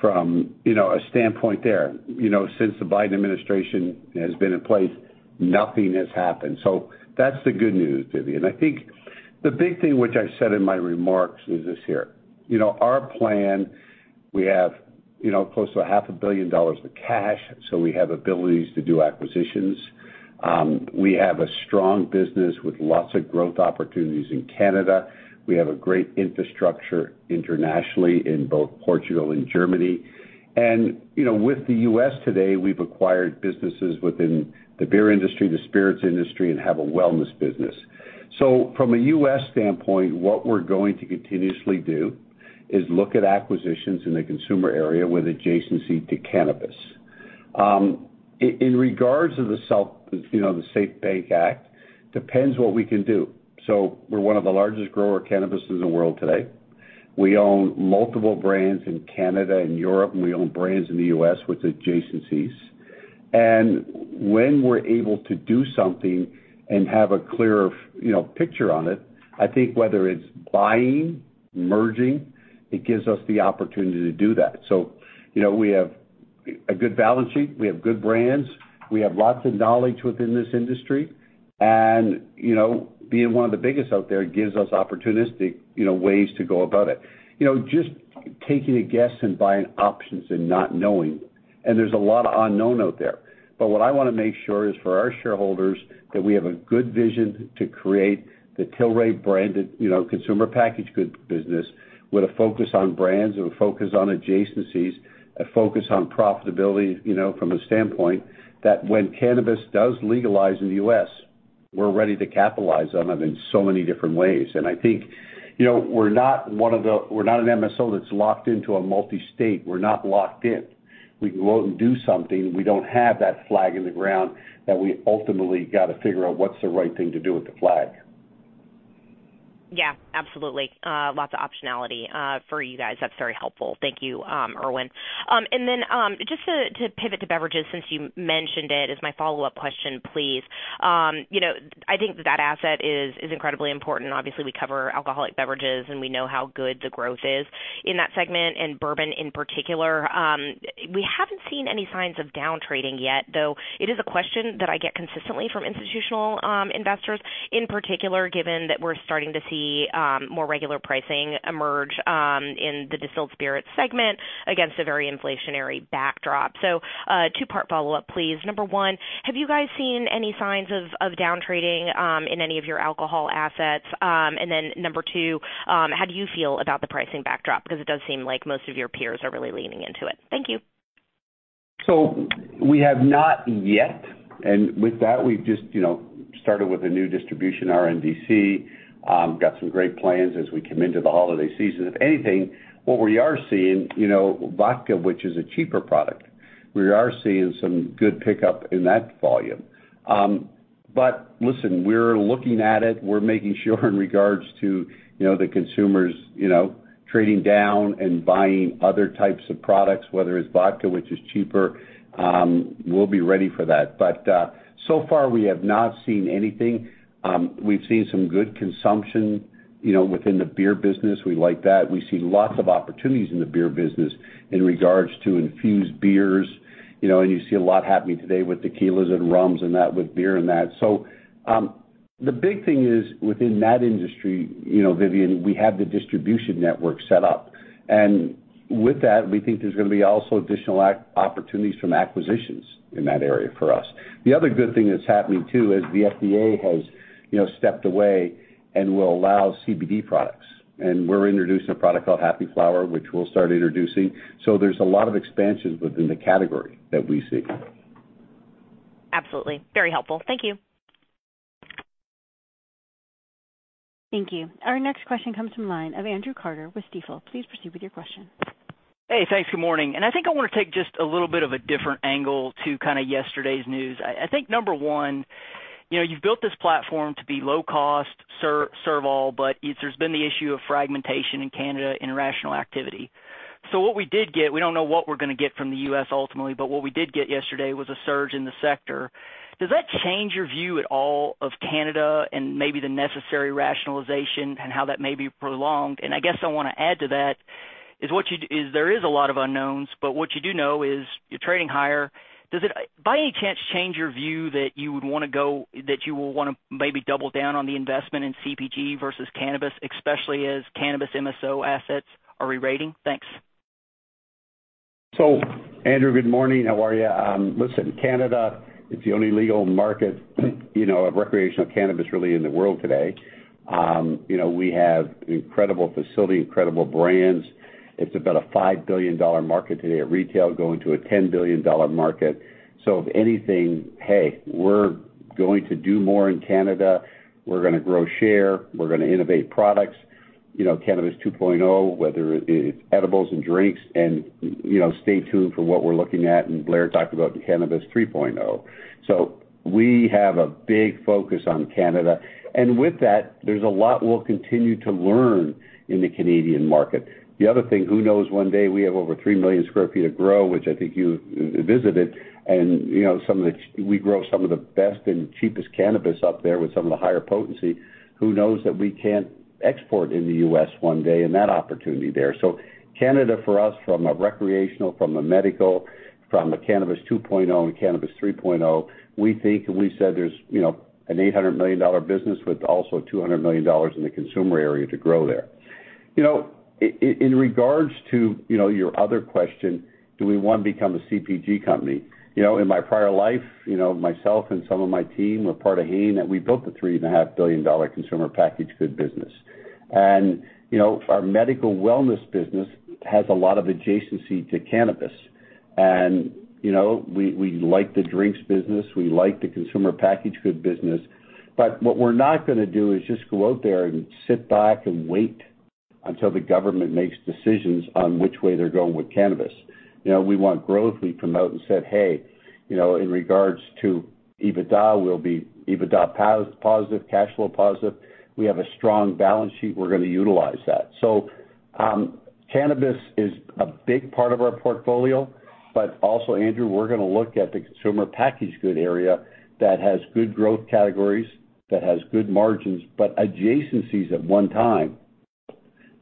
from, you know, a standpoint there. You know, since the Biden administration has been in place, nothing has happened. That's the good news, Vivian. I think the big thing which I said in my remarks is this here. You know, our plan, we have, you know, close to a half a billion dollars of cash, so we have abilities to do acquisitions. We have a strong business with lots of growth opportunities in Canada. We have a great infrastructure internationally in both Portugal and Germany. You know, with the U.S. today, we've acquired businesses within the beer industry, the spirits industry, and have a wellness business. From a U.S. standpoint, what we're going to continuously do is look at acquisitions in the consumer area with adjacency to cannabis. In regards to the SAFE Banking Act, depends what we can do. We're one of the largest grower cannabis in the world today. We own multiple brands in Canada and Europe, and we own brands in the U.S. with adjacencies. When we're able to do something and have a clear picture on it, I think whether it's buying, merging, it gives us the opportunity to do that. You know, we have a good balance sheet. We have good brands. We have lots of knowledge within this industry. You know, being one of the biggest out there gives us opportunistic, you know, ways to go about it. You know, just taking a guess and buying options and not knowing, and there's a lot of unknown out there. What I wanna make sure is for our shareholders that we have a good vision to create the Tilray branded, you know, consumer packaged goods business with a focus on brands and a focus on adjacencies, a focus on profitability, you know, from a standpoint that when cannabis does legalize in the U.S., we're ready to capitalize on it in so many different ways. I think, you know, we're not an MSO that's locked into a multi-state. We're not locked in. We can go out and do something. We don't have that flag in the ground that we ultimately gotta figure out what's the right thing to do with the flag. Yeah, absolutely. Lots of optionality for you guys. That's very helpful. Thank you, Irwin. Just to pivot to beverages since you mentioned it as my follow-up question, please. You know, I think that asset is incredibly important. Obviously, we cover alcoholic beverages, and we know how good the growth is in that segment, and bourbon in particular. We haven't seen any signs of down trading yet, though it is a question that I get consistently from institutional investors, in particular, given that we're starting to see more regular pricing emerge in the distilled spirits segment against a very inflationary backdrop. Two-part follow-up, please. Number one, have you guys seen any signs of down trading in any of your alcohol assets? Number two, how do you feel about the pricing backdrop? Because it does seem like most of your peers are really leaning into it. Thank you. We have not yet. With that, we've just, you know, started with a new distribution, RNDC. Got some great plans as we come into the holiday season. If anything, what we are seeing, you know, vodka, which is a cheaper product, we are seeing some good pickup in that volume. But listen, we're looking at it. We're making sure in regards to, you know, the consumers, you know, trading down and buying other types of products, whether it's vodka, which is cheaper, we'll be ready for that. But so far we have not seen anything. We've seen some good consumption, you know, within the beer business. We like that. We see lots of opportunities in the beer business in regards to infused beers. You know, and you see a lot happening today with tequilas and rums and that with beer and that. The big thing is within that industry, you know, Vivien, we have the distribution network set up. With that, we think there's gonna be also additional opportunities from acquisitions in that area for us. The other good thing that's happening, too, is the FDA has, you know, stepped away and will allow CBD products. We're introducing a product called Happy Flower, which we'll start introducing. There's a lot of expansions within the category that we see. Absolutely. Very helpful. Thank you. Thank you. Our next question comes from the line of Andrew Carter with Stifel. Please proceed with your question. Hey, thanks. Good morning. I think I wanna take just a little bit of a different angle to kinda yesterday's news. I think number one. You know, you've built this platform to be low cost, serve all, but there's been the issue of fragmentation in Canada and irrational activity. So what we did get, we don't know what we're gonna get from the U.S. ultimately, but what we did get yesterday was a surge in the sector. Does that change your view at all of Canada and maybe the necessary rationalization and how that may be prolonged? I guess I wanna add to that. What you do know is there is a lot of unknowns, but what you do know is you're trading higher. Does it by any chance change your view that you would wanna go, that you will wanna maybe double down on the investment in CPG versus cannabis, especially as cannabis MSO assets are rerating? Thanks. Andrew, good morning. How are you? Listen, Canada, it's the only legal market, you know, of recreational cannabis really in the world today. You know, we have incredible facility, incredible brands. It's about a $5 billion market today at retail, going to a $10 billion market. If anything, hey, we're going to do more in Canada. We're gonna grow share, we're gonna innovate products, you know, cannabis 2.0, whether it's edibles and drinks and, you know, stay tuned for what we're looking at, and Blair talked about Cannabis 3.0. We have a big focus on Canada. With that, there's a lot we'll continue to learn in the Canadian market. The other thing, who knows, one day, we have over 3 million sq ft of grow, which I think you visited. You know, some of the we grow some of the best and cheapest cannabis up there with some of the higher potency. Who knows that we can't export in the U.S. one day and that opportunity there. Canada, for us, from a recreational, from a medical, from a Cannabis 2.0 and Cannabis 3.0, we think and we said there's, you know, an $800 million business with also $200 million in the consumer area to grow there. You know, in regards to, you know, your other question, do we want to become a CPG company? You know, in my prior life, you know, myself and some of my team were part of Hain, and we built the $3.5 billion consumer packaged food business. You know, our medical wellness business has a lot of adjacency to cannabis. You know, we like the drinks business. We like the consumer packaged food business. But what we're not gonna do is just go out there and sit back and wait until the government makes decisions on which way they're going with cannabis. You know, we want growth, we promised and said, hey, you know, in regards to EBITDA, we'll be EBITDA positive, cash flow positive. We have a strong balance sheet. We're gonna utilize that. Cannabis is a big part of our portfolio, but also, Andrew, we're gonna look at the consumer packaged goods area that has good growth categories, that has good margins, but adjacencies at one time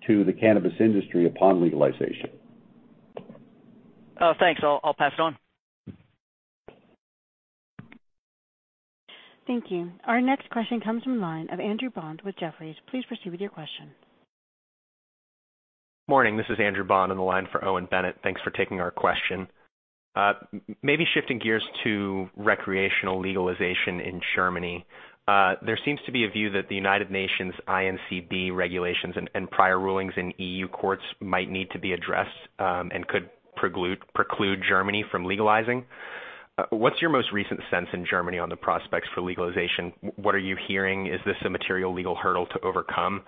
to the cannabis industry upon legalization. Oh, thanks. I'll pass it on. Thank you. Our next question comes from the line of Andrew Bond with Jefferies. Please proceed with your question. Morning, this is Andrew Bond on the line for Owen Bennett. Thanks for taking our question. Maybe shifting gears to recreational legalization in Germany. There seems to be a view that the United Nations' INCB regulations and prior rulings in EU courts might need to be addressed, and could preclude Germany from legalizing. What's your most recent sense in Germany on the prospects for legalization? What are you hearing? Is this a material legal hurdle to overcome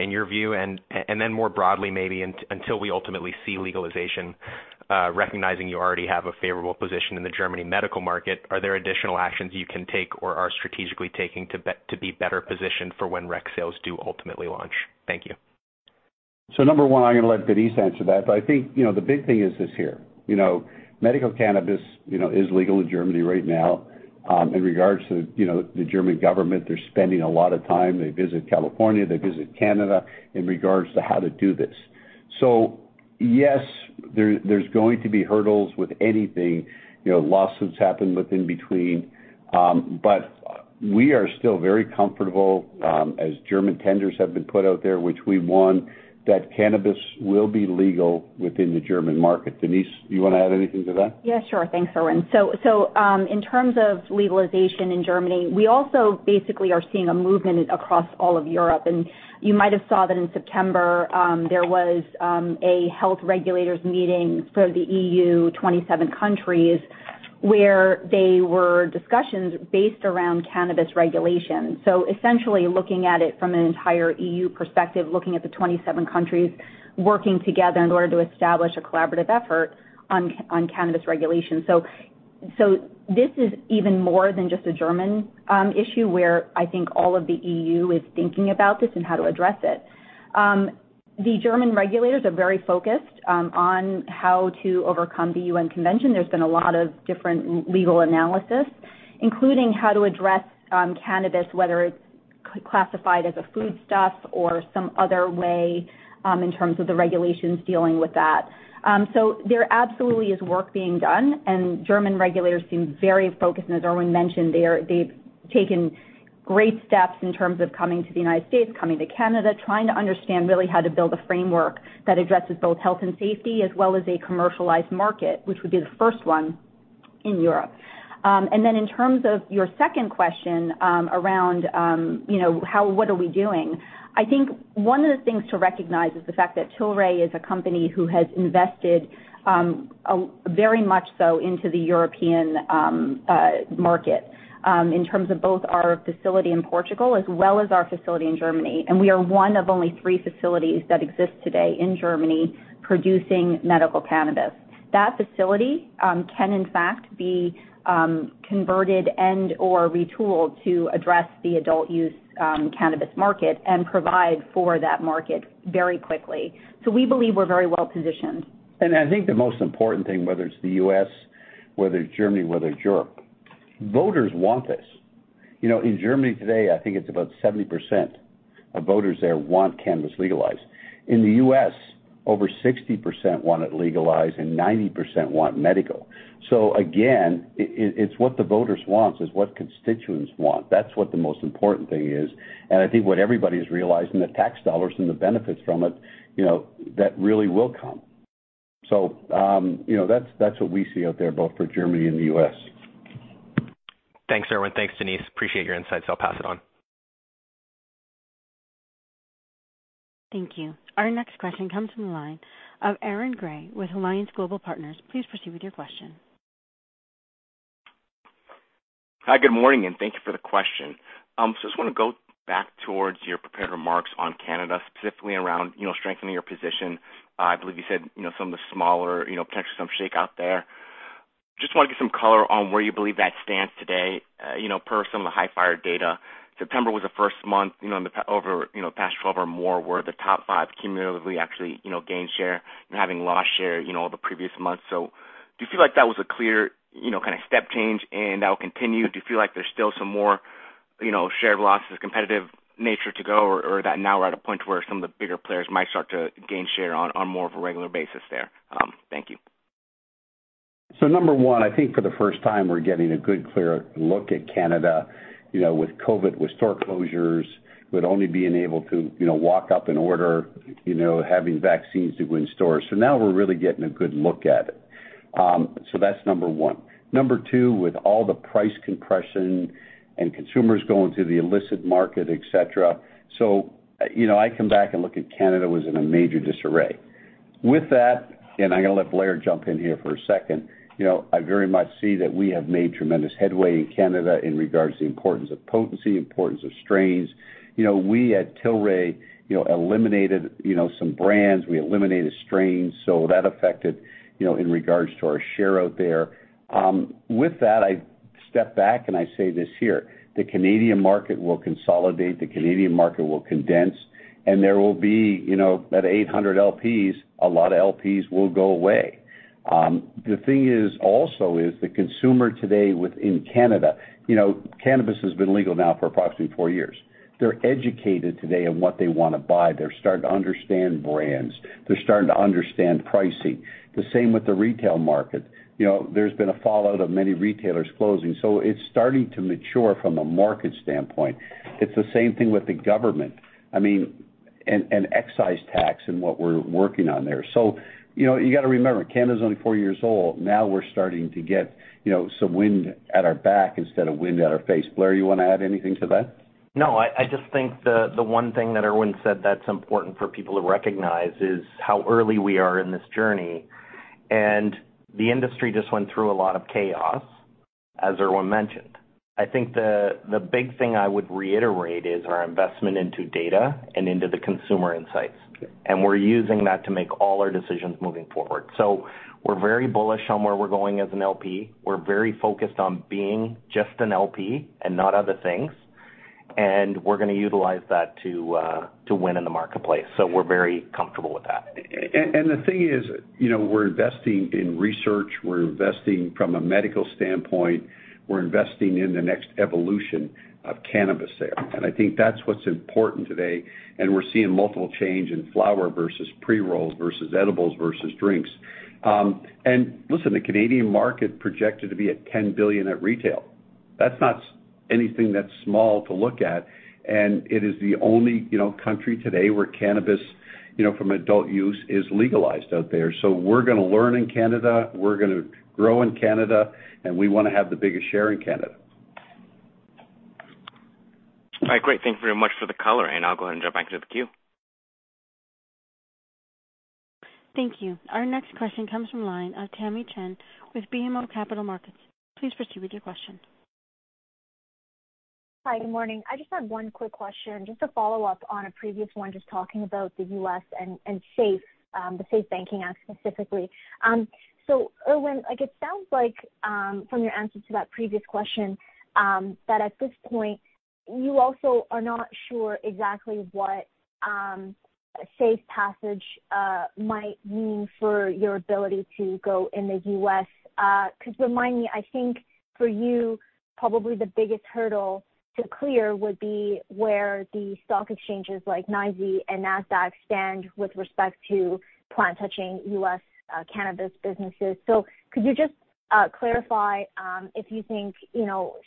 in your view? And then more broadly, maybe until we ultimately see legalization, recognizing you already have a favorable position in the Germany medical market, are there additional actions you can take or are strategically taking to be better positioned for when rec sales do ultimately launch? Thank you. Number one, I'm gonna let Denise answer that. I think, you know, the big thing is this here, you know, medical cannabis, you know, is legal in Germany right now. In regards to, you know, the German government, they're spending a lot of time. They visit California, they visit Canada in regards to how to do this. Yes, there's going to be hurdles with anything, you know, lawsuits happen within between. We are still very comfortable, as German tenders have been put out there, which we won, that cannabis will be legal within the German market. Denise, you wanna add anything to that? Yeah, sure. Thanks, Irwin. In terms of legalization in Germany, we also basically are seeing a movement across all of Europe. You might have saw that in September, there was a health regulators meeting for the EU 27 countries, where there were discussions based around cannabis regulation. Essentially, looking at it from an entire EU perspective, looking at the 27 countries working together in order to establish a collaborative effort on cannabis regulation. This is even more than just a German issue, where I think all of the EU is thinking about this and how to address it. The German regulators are very focused on how to overcome the UN convention. There's been a lot of different legal analysis, including how to address, cannabis, whether it's classified as a foodstuff or some other way, in terms of the regulations dealing with that. There absolutely is work being done, and German regulators seem very focused. As Irwin mentioned, they've taken great steps in terms of coming to the United States, coming to Canada, trying to understand really how to build a framework that addresses both health and safety as well as a commercialized market, which would be the first one in Europe. Then in terms of your second question, around, you know, what are we doing? I think one of the things to recognize is the fact that Tilray is a company who has invested, very much so into the European, market. In terms of both our facility in Portugal as well as our facility in Germany, and we are one of only three facilities that exist today in Germany producing medical cannabis. That facility can in fact be converted and/or retooled to address the adult use cannabis market and provide for that market very quickly. We believe we're very well positioned. I think the most important thing, whether it's the U.S., whether it's Germany, whether it's Europe, voters want this. You know, in Germany today, I think it's about 70% of voters there want cannabis legalized. In the U.S., over 60% want it legalized, and 90% want medical. It's what the voters want, it's what constituents want. That's what the most important thing is. I think what everybody is realizing, the tax dollars and the benefits from it, you know, that really will come. You know, that's what we see out there both for Germany and the U.S. Thanks, Irwin. Thanks, Denise. Appreciate your insights. I'll pass it on. Thank you. Our next question comes from the line of Aaron Grey with Alliance Global Partners. Please proceed with your question. Hi, good morning, and thank you for the question. I just wanna go back towards your prepared remarks on Canada, specifically around, you know, strengthening your position. I believe you said, you know, some of the smaller, you know, potentially some shakeout there. Just wanna get some color on where you believe that stands today. You know, per some of the Hifyre data, September was the first month, you know, over, you know, past 12 or more, where the top five cumulatively actually, you know, gained share and having lost share, you know, the previous months. Do you feel like that was a clear, you know, kind of step change and that will continue? Do you feel like there's still some more, you know, share losses, competitive nature to go, or that now we're at a point to where some of the bigger players might start to gain share on more of a regular basis there? Thank you. Number one, I think for the first time, we're getting a good, clear look at Canada, you know, with COVID, with store closures, with only being able to, you know, walk up and order, you know, having vaccines to go in stores. Now we're really getting a good look at it. That's number one. Number two, with all the price compression and consumers going to the illicit market, et cetera. You know, I come back and look at Canada was in a major disarray. With that, and I'm gonna let Blair jump in here for a second. You know, I very much see that we have made tremendous headway in Canada in regards to the importance of potency, importance of strains. You know, we at Tilray, you know, eliminated, you know, some brands. We eliminated strains. That affected, you know, in regards to our share out there. With that, I step back and I say this here: the Canadian market will consolidate, the Canadian market will condense, and there will be, you know, at 800 LPs, a lot of LPs will go away. The thing is also the consumer today within Canada, you know, cannabis has been legal now for approximately four years. They're educated today on what they wanna buy. They're starting to understand brands. They're starting to understand pricing. The same with the retail market. You know, there's been a fallout of many retailers closing, so it's starting to mature from a market standpoint. It's the same thing with the government. I mean, and excise tax and what we're working on there. You know, you gotta remember, Canada's only four years old. Now we're starting to get, you know, some wind at our back instead of wind at our face. Blair, you wanna add anything to that? No, I just think the one thing that Irwin said that's important for people to recognize is how early we are in this journey. The industry just went through a lot of chaos, as Irwin mentioned. I think the big thing I would reiterate is our investment into data and into the consumer insights, and we're using that to make all our decisions moving forward. We're very bullish on where we're going as an LP. We're very focused on being just an LP and not other things, and we're gonna utilize that to win in the marketplace. We're very comfortable with that. The thing is, you know, we're investing in research, we're investing from a medical standpoint, we're investing in the next evolution of cannabis sales. I think that's what's important today, and we're seeing multiple change in flower versus pre-rolls versus edibles versus drinks. Listen, the Canadian market projected to be at 10 billion at retail. That's not anything that's small to look at, and it is the only, you know, country today where cannabis, you know, from adult use is legalized out there. We're gonna learn in Canada, we're gonna grow in Canada, and we wanna have the biggest share in Canada. All right, great. Thank you very much for the color, and I'll go ahead and jump back into the queue. Thank you. Our next question comes from the line of Tamy Chen with BMO Capital Markets. Please proceed with your question. Hi, good morning. I just had one quick question, just a follow-up on a previous one, just talking about the U.S. and SAFE, the SAFE Banking Act specifically. So Irwin, like it sounds like, from your answer to that previous question, that at this point you also are not sure exactly what SAFE's passage might mean for your ability to go in the U.S. 'Cause remind me, I think for you, probably the biggest hurdle to clear would be where the stock exchanges like NYSE and Nasdaq stand with respect to plant-touching U.S. cannabis businesses. Could you just clarify if you think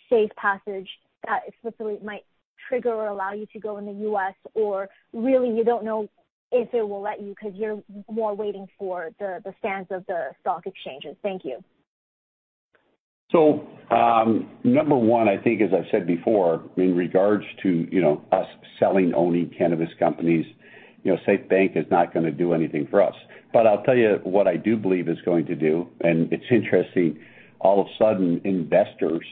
SAFE passage explicitly might trigger or allow you to go in the U.S. or really you don't know if it will let you 'cause you're more waiting for the stance of the stock exchanges? Thank you. Number one, I think as I've said before, in regard to, you know, us selling, owning cannabis companies, you know, SAFE Banking is not gonna do anything for us. I'll tell you what I do believe is going to do, and it's interesting, all of a sudden investors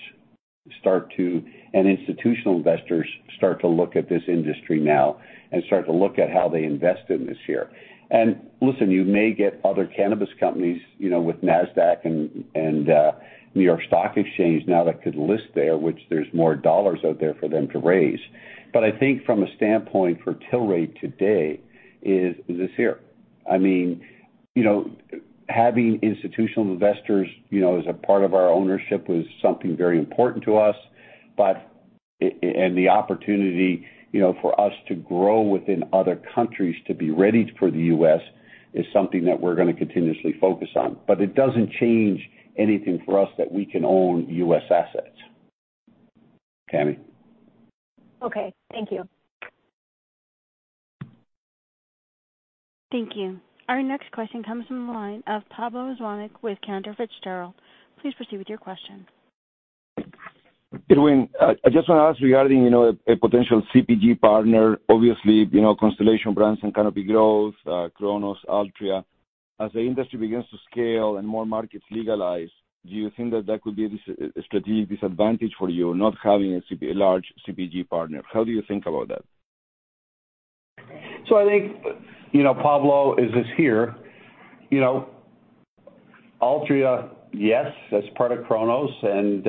and institutional investors start to look at this industry now and start to look at how they invest in this year. Listen, you may get other cannabis companies, you know, with Nasdaq and New York Stock Exchange now that could list there, which there's more dollars out there for them to raise. I think from a standpoint for Tilray today is this year. I mean, you know, having institutional investors, you know, as a part of our ownership was something very important to us, but and the opportunity, you know, for us to grow within other countries to be ready for the U.S.. Is something that we're gonna continuously focus on. It doesn't change anything for us that we can own U.S. Assets. Tamy. Okay, thank you. Thank you. Our next question comes from the line of Pablo Zuanic with Cantor Fitzgerald. Please proceed with your question. Irwin, I just want to ask regarding, you know, a potential CPG partner. Obviously, you know, Constellation Brands and Canopy Growth, Cronos, Altria. As the industry begins to scale and more markets legalize, do you think that could be a strategic disadvantage for you, not having a large CPG partner? How do you think about that? I think, you know, Pablo is this here. You know, Altria, yes, that's part of Cronos and,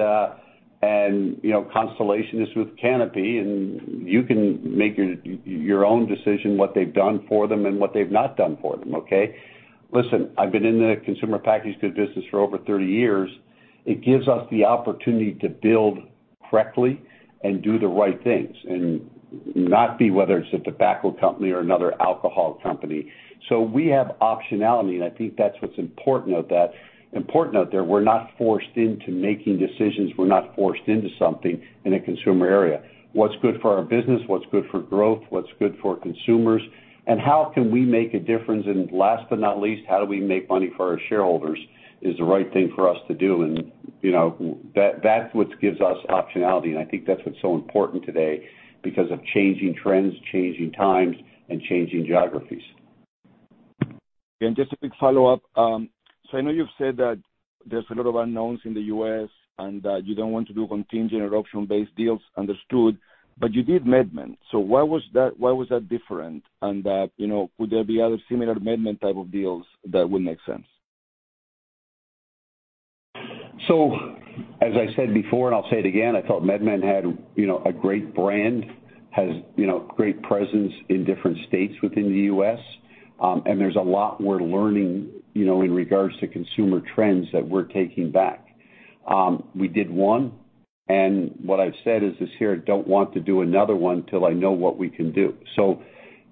you know, Constellation is with Canopy, and you can make your own decision what they've done for them and what they've not done for them, okay? Listen, I've been in the consumer packaged goods business for over 30 years. It gives us the opportunity to build correctly and do the right things and not be whether it's a tobacco company or another alcohol company. We have optionality, and I think that's what's important note that, important out there. We're not forced into making decisions. We're not forced into something in a consumer area. What's good for our business? What's good for growth? What's good for consumers? How can we make a difference? Last but not least, how do we make money for our shareholders is the right thing for us to do. You know, that's what gives us optionality. I think that's what's so important today because of changing trends, changing times, and changing geographies. Just a quick follow-up. I know you've said that there's a lot of unknowns in the U.S., and that you don't want to do contingent or option-based deals. Understood. You did MedMen. Why was that different? That, you know, could there be other similar MedMen type of deals that would make sense? As I said before, and I'll say it again, I thought MedMen had, you know, a great brand, has, you know, great presence in different states within the U.S. And there's a lot we're learning, you know, in regards to consumer trends that we're taking back. We did one, and what I've said is this year, don't want to do another one till I know what we can do.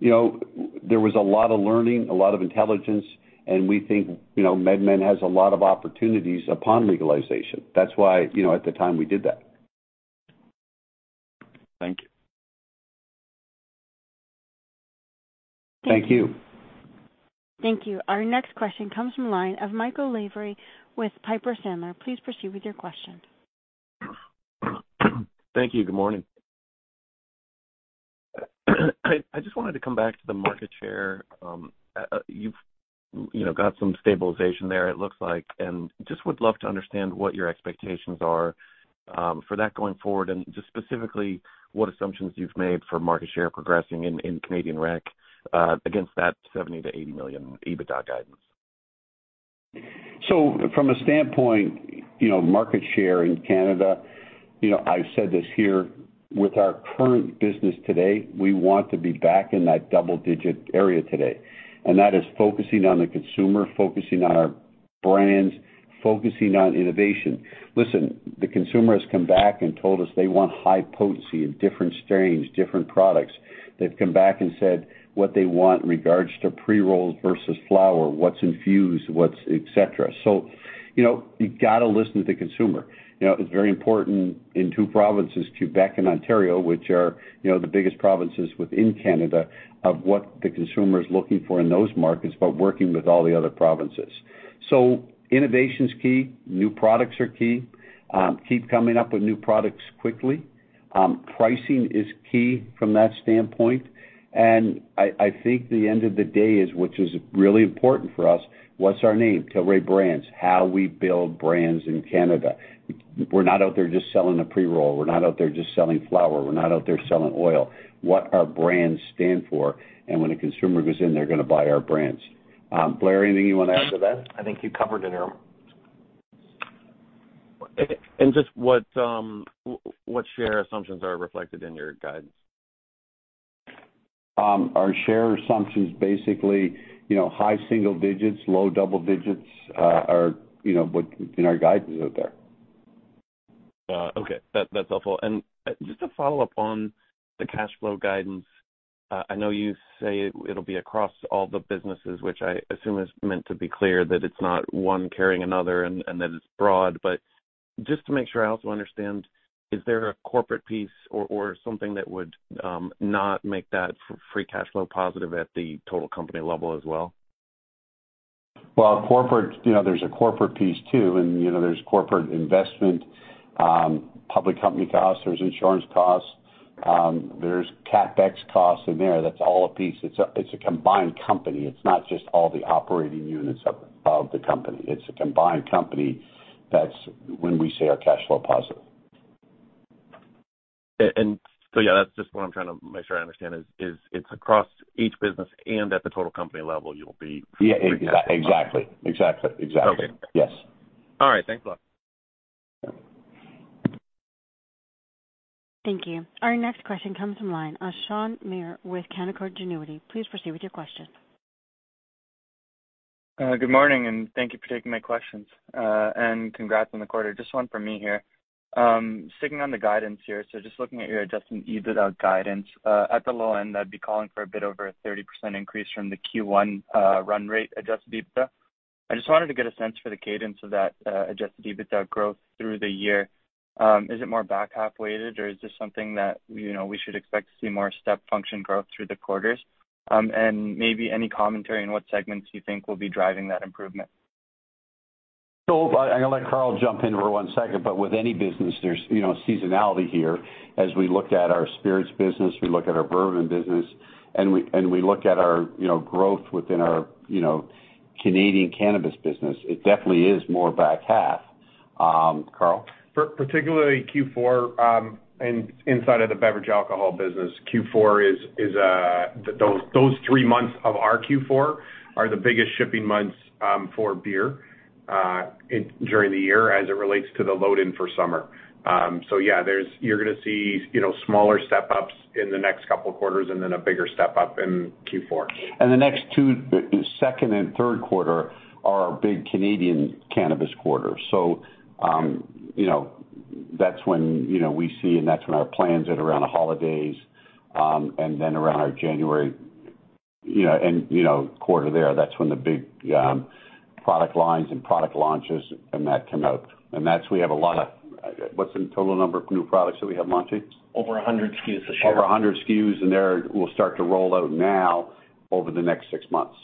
You know, there was a lot of learning, a lot of intelligence, and we think, you know, MedMen has a lot of opportunities upon legalization. That's why, you know, at the time we did that. Thank you. Thank you. Thank you. Our next question comes from the line of Michael Lavery with Piper Sandler. Please proceed with your question. Thank you. Good morning. I just wanted to come back to the market share. You've, you know, got some stabilization there, it looks like, and just would love to understand what your expectations are, for that going forward and just specifically what assumptions you've made for market share progressing in Canadian rec, against that $70 million-$80 million EBITDA guidance. From a standpoint, you know, market share in Canada, you know, I've said this here, with our current business today, we want to be back in that double digit area today. That is focusing on the consumer, focusing on our brands, focusing on innovation. Listen, the consumer has come back and told us they want high potency in different strains, different products. They've come back and said what they want in regards to pre-rolls versus flower, what's infused, what's et cetera. You know, you gotta listen to the consumer. You know, it's very important in two provinces, Quebec and Ontario, which are, you know, the biggest provinces within Canada, of what the consumer is looking for in those markets, but working with all the other provinces. Innovation's key. New products are key. Keep coming up with new products quickly. Pricing is key from that standpoint. I think the end of the day is, which is really important for us, what's our name? Tilray Brands. How we build brands in Canada. We're not out there just selling a pre-roll. We're not out there just selling flower. We're not out there selling oil. What our brands stand for, and when a consumer goes in, they're gonna buy our brands. Blair, anything you want to add to that? I think you covered it, Irwin. Just what share assumptions are reflected in your guidance? Our share assumptions, basically, you know, high single digits, low double digits, are, you know, what in our guidance out there. Okay. That's helpful. Just to follow up on the cash flow guidance. I know you say it'll be across all the businesses, which I assume is meant to be clear that it's not one carrying another and that it's broad. Just to make sure I also understand, is there a corporate piece or something that would not make that free cash flow positive at the total company level as well? Well, corporate, you know, there's a corporate piece too, and you know, there's corporate investment, public company costs, there's insurance costs. There's CapEx costs in there. That's all a piece. It's a combined company. It's not just all the operating units of the company. It's a combined company that's when we say our cash flow positive. Yeah, that's just what I'm trying to make sure I understand is it's across each business and at the total company level, you'll be- Yeah. Exactly. Okay. Yes. All right. Thanks a lot. Thank you. Our next question comes from the line of Shaan Mir with Canaccord Genuity. Please proceed with your question. Good morning, and thank you for taking my questions. Congrats on the quarter. Just one from me here. Sticking on the guidance here, so just looking at your Adjusted EBITDA guidance, at the low end, that'd be calling for a bit over a 30% increase from the Q1, run rate Adjusted EBITDA. I just wanted to get a sense for the cadence of that, Adjusted EBITDA growth through the year. Is it more back half-weighted, or is this something that, you know, we should expect to see more step function growth through the quarters? Maybe any commentary on what segments you think will be driving that improvement. I'm gonna let Carl jump in for one second, but with any business, there's, you know, seasonality here. As we look at our spirits business, we look at our bourbon business, and we look at our, you know, growth within our, you know, Canadian cannabis business, it definitely is more back half. Carl. Particularly Q4, inside of the beverage alcohol business, Q4 is those three months of our Q4 are the biggest shipping months for beer during the year as it relates to the load-in for summer. You're gonna see, you know, smaller step-ups in the next couple quarters and then a bigger step-up in Q4. The next two second and third quarter are our big Canadian cannabis quarters. You know, that's when, you know, we see, and that's when our planning around the holidays, and then around our January, you know, and, you know, quarter there. That's when the big product lines and product launches and that come out. What's the total number of new products that we have launching? Over 100 SKUs this year. Over 100 SKUs, and they will start to roll out now over the next six months.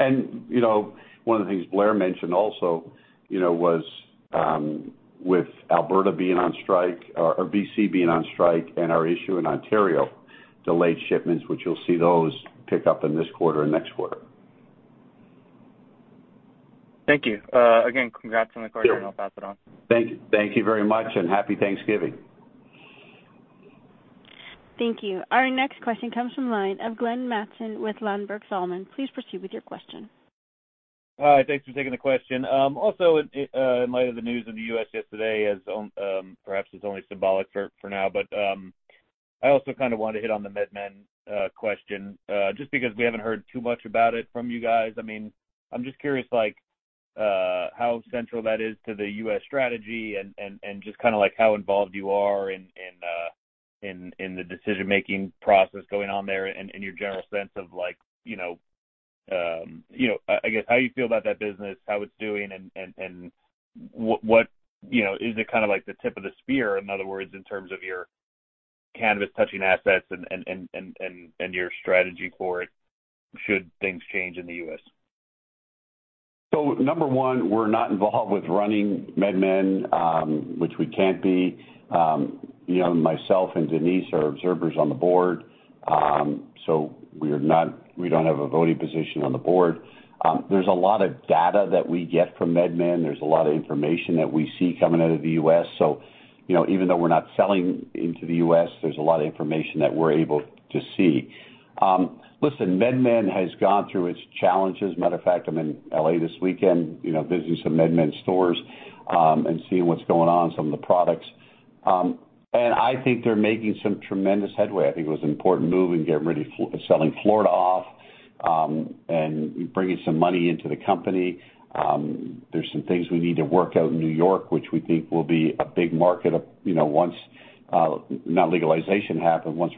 You know, one of the things Blair mentioned also, you know, was with Alberta being on strike or B.C. being on strike and our issue in Ontario delayed shipments, which you'll see those pick up in this quarter and next quarter. Thank you. Again, congrats on the quarter. Sure. I'll pass it on. Thank you. Thank you very much, and Happy Thanksgiving. Thank you. Our next question comes from the line of Glenn Mattson with Ladenburg Thalmann. Please proceed with your question. Hi. Thanks for taking the question. Also in light of the news in the U.S. yesterday as perhaps it's only symbolic for now, but I also kind of want to hit on the MedMen question just because we haven't heard too much about it from you guys. I mean, I'm just curious, like, how central that is to the U.S. strategy and just kinda like how involved you are in the decision-making process going on there and in your general sense of like, you know, you know, I guess how you feel about that business, how it's doing and what. You know, is it kind of like the tip of the spear, in other words, in terms of your cannabis touching assets and your strategy for it should things change in the U.S.? Number one, we're not involved with running MedMen, which we can't be. You know, myself and Denise are observers on the board. We don't have a voting position on the board. There's a lot of data that we get from MedMen. There's a lot of information that we see coming out of the U.S. You know, even though we're not selling into the U.S., there's a lot of information that we're able to see. Listen, MedMen has gone through its challenges. Matter of fact, I'm in L.A. this weekend, you know, visiting some MedMen stores, and seeing what's going on, some of the products. I think they're making some tremendous headway. I think it was an important move in getting rid of selling Florida off, and bringing some money into the company. There's some things we need to work out in New York, which we think will be a big market, you know, once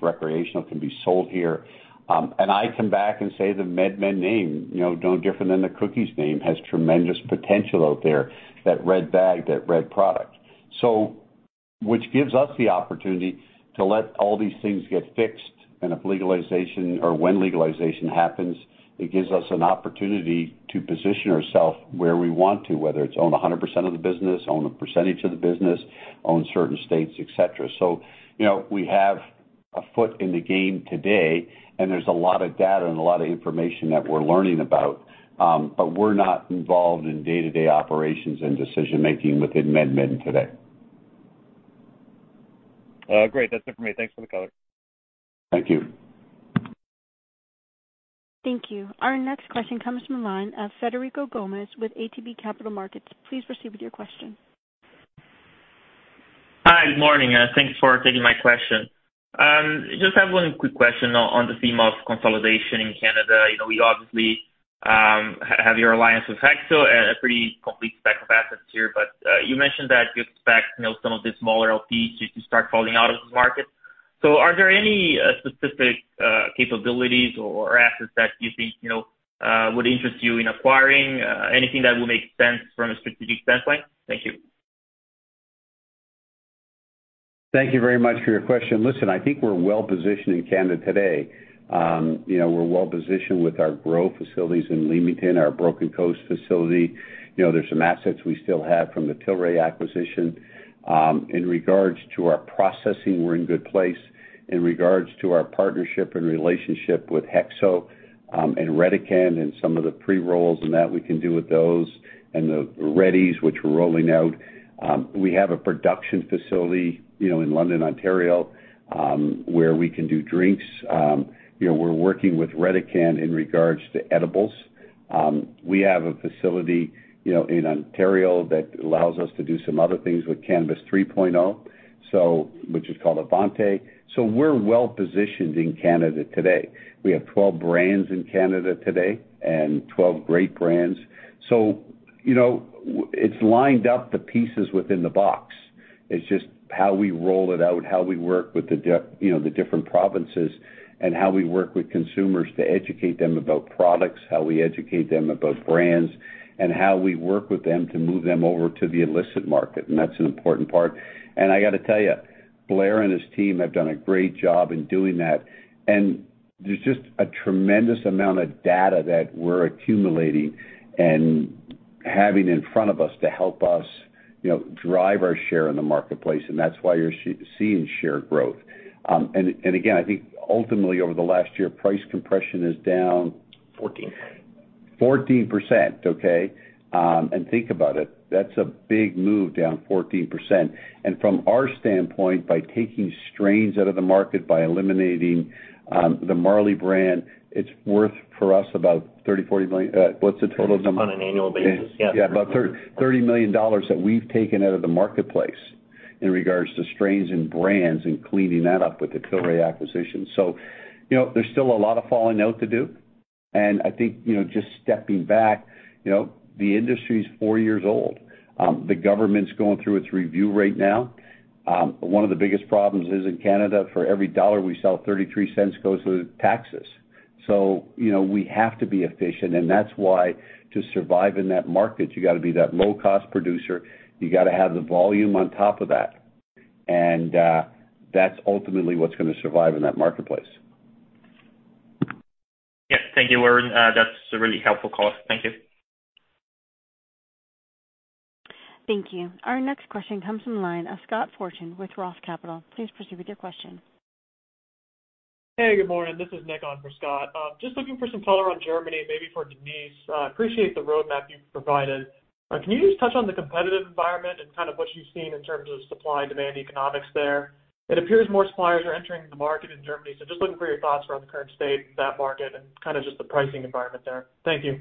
recreational can be sold here. I come back and say the MedMen name, you know, no different than the Cookies name, has tremendous potential out there, that red bag, that red product. Which gives us the opportunity to let all these things get fixed. If legalization or when legalization happens, it gives us an opportunity to position ourself where we want to, whether it's own 100% of the business, own a percentage of the business, own certain states, et cetera. You know, we have a foot in the game today, and there's a lot of data and a lot of information that we're learning about. We're not involved in day-to-day operations and decision-making within MedMen today. Great. That's it for me. Thanks for the color. Thank you. Thank you. Our next question comes from the line of Frederico Gomes with ATB Capital Markets. Please proceed with your question. Hi. Good morning. Thanks for taking my question. Just have one quick question on the theme of consolidation in Canada. You know, you obviously have your alliance with HEXO and a pretty complete stack of assets here. You mentioned that you expect, you know, some of the smaller LPs to start falling out of this market. Are there any specific capabilities or assets that you think, you know, would interest you in acquiring anything that would make sense from a strategic standpoint? Thank you. Thank you very much for your question. Listen, I think we're well-positioned in Canada today. You know, we're well-positioned with our grow facilities in Leamington, our Broken Coast facility. You know, there's some assets we still have from the Tilray acquisition. In regards to our processing, we're in good place. In regards to our partnership and relationship with HEXO, and Redecan and some of the pre-rolls and that we can do with those and the readies which we're rolling out. We have a production facility, you know, in London, Ontario, where we can do drinks. You know, we're working with Redecan in regards to edibles. We have a facility, you know, in Ontario that allows us to do some other things with Cannabis 3.0, so which is called Avanti. We're well-positioned in Canada today. We have 12 brands in Canada today and 12 great brands. You know, it's lined up the pieces within the box. It's just how we roll it out, how we work with, you know, the different provinces, and how we work with consumers to educate them about products, how we educate them about brands, and how we work with them to move them over to the illicit market, and that's an important part. I got to tell you, Blair and his team have done a great job in doing that. There's just a tremendous amount of data that we're accumulating and having in front of us to help us, you know, drive our share in the marketplace, and that's why you're seeing share growth. Again, I think ultimately over the last year, price compression is down. Fourteen. 14%, okay. Think about it, that's a big move down 14%. From our standpoint, by taking strains out of the market, by eliminating the Marley brand, it's worth for us about $30-$40 million. What's the total number? It's on an annual basis, yeah. Yeah, about $30 million that we've taken out of the marketplace in regards to strains and brands and cleaning that up with the Tilray acquisition. You know, there's still a lot of fallout to do. I think, you know, just stepping back, you know, the industry's four years old. The government's going through its review right now. One of the biggest problems is in Canada, for every dollar we sell, $0.33 goes to taxes. You know, we have to be efficient, and that's why to survive in that market, you got to be that low-cost producer. You got to have the volume on top of that. That's ultimately what's gonna survive in that marketplace. Yes. Thank you, Irwin. That's a really helpful call. Thank you. Thank you. Our next question comes from line of Scott Fortune with Roth Capital. Please proceed with your question. Hey, good morning. This is Nick on for Scott. Just looking for some color on Germany, maybe for Denise. Appreciate the roadmap you've provided. Can you just touch on the competitive environment and kind of what you've seen in terms of supply and demand economics there? It appears more suppliers are entering the market in Germany, so just looking for your thoughts around the current state of that market and kind of just the pricing environment there. Thank you.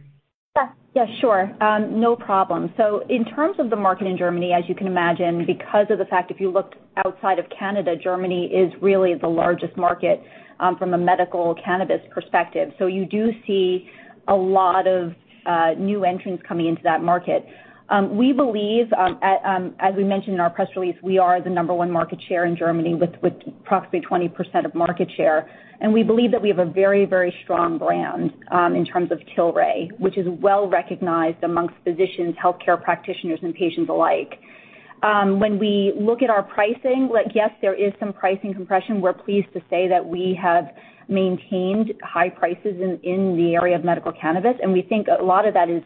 Yeah. Yeah, sure. No problem. In terms of the market in Germany, as you can imagine, because of the fact, if you looked outside of Canada, Germany is really the largest market from a medical cannabis perspective. You do see a lot of new entrants coming into that market. We believe, as we mentioned in our press release, we are the number one market share in Germany with approximately 20% of market share. We believe that we have a very, very strong brand in terms of Tilray, which is well-recognized amongst physicians, healthcare practitioners, and patients alike. When we look at our pricing, like, yes, there is some pricing compression. We're pleased to say that we have maintained high prices in the area of medical cannabis, and we think a lot of that is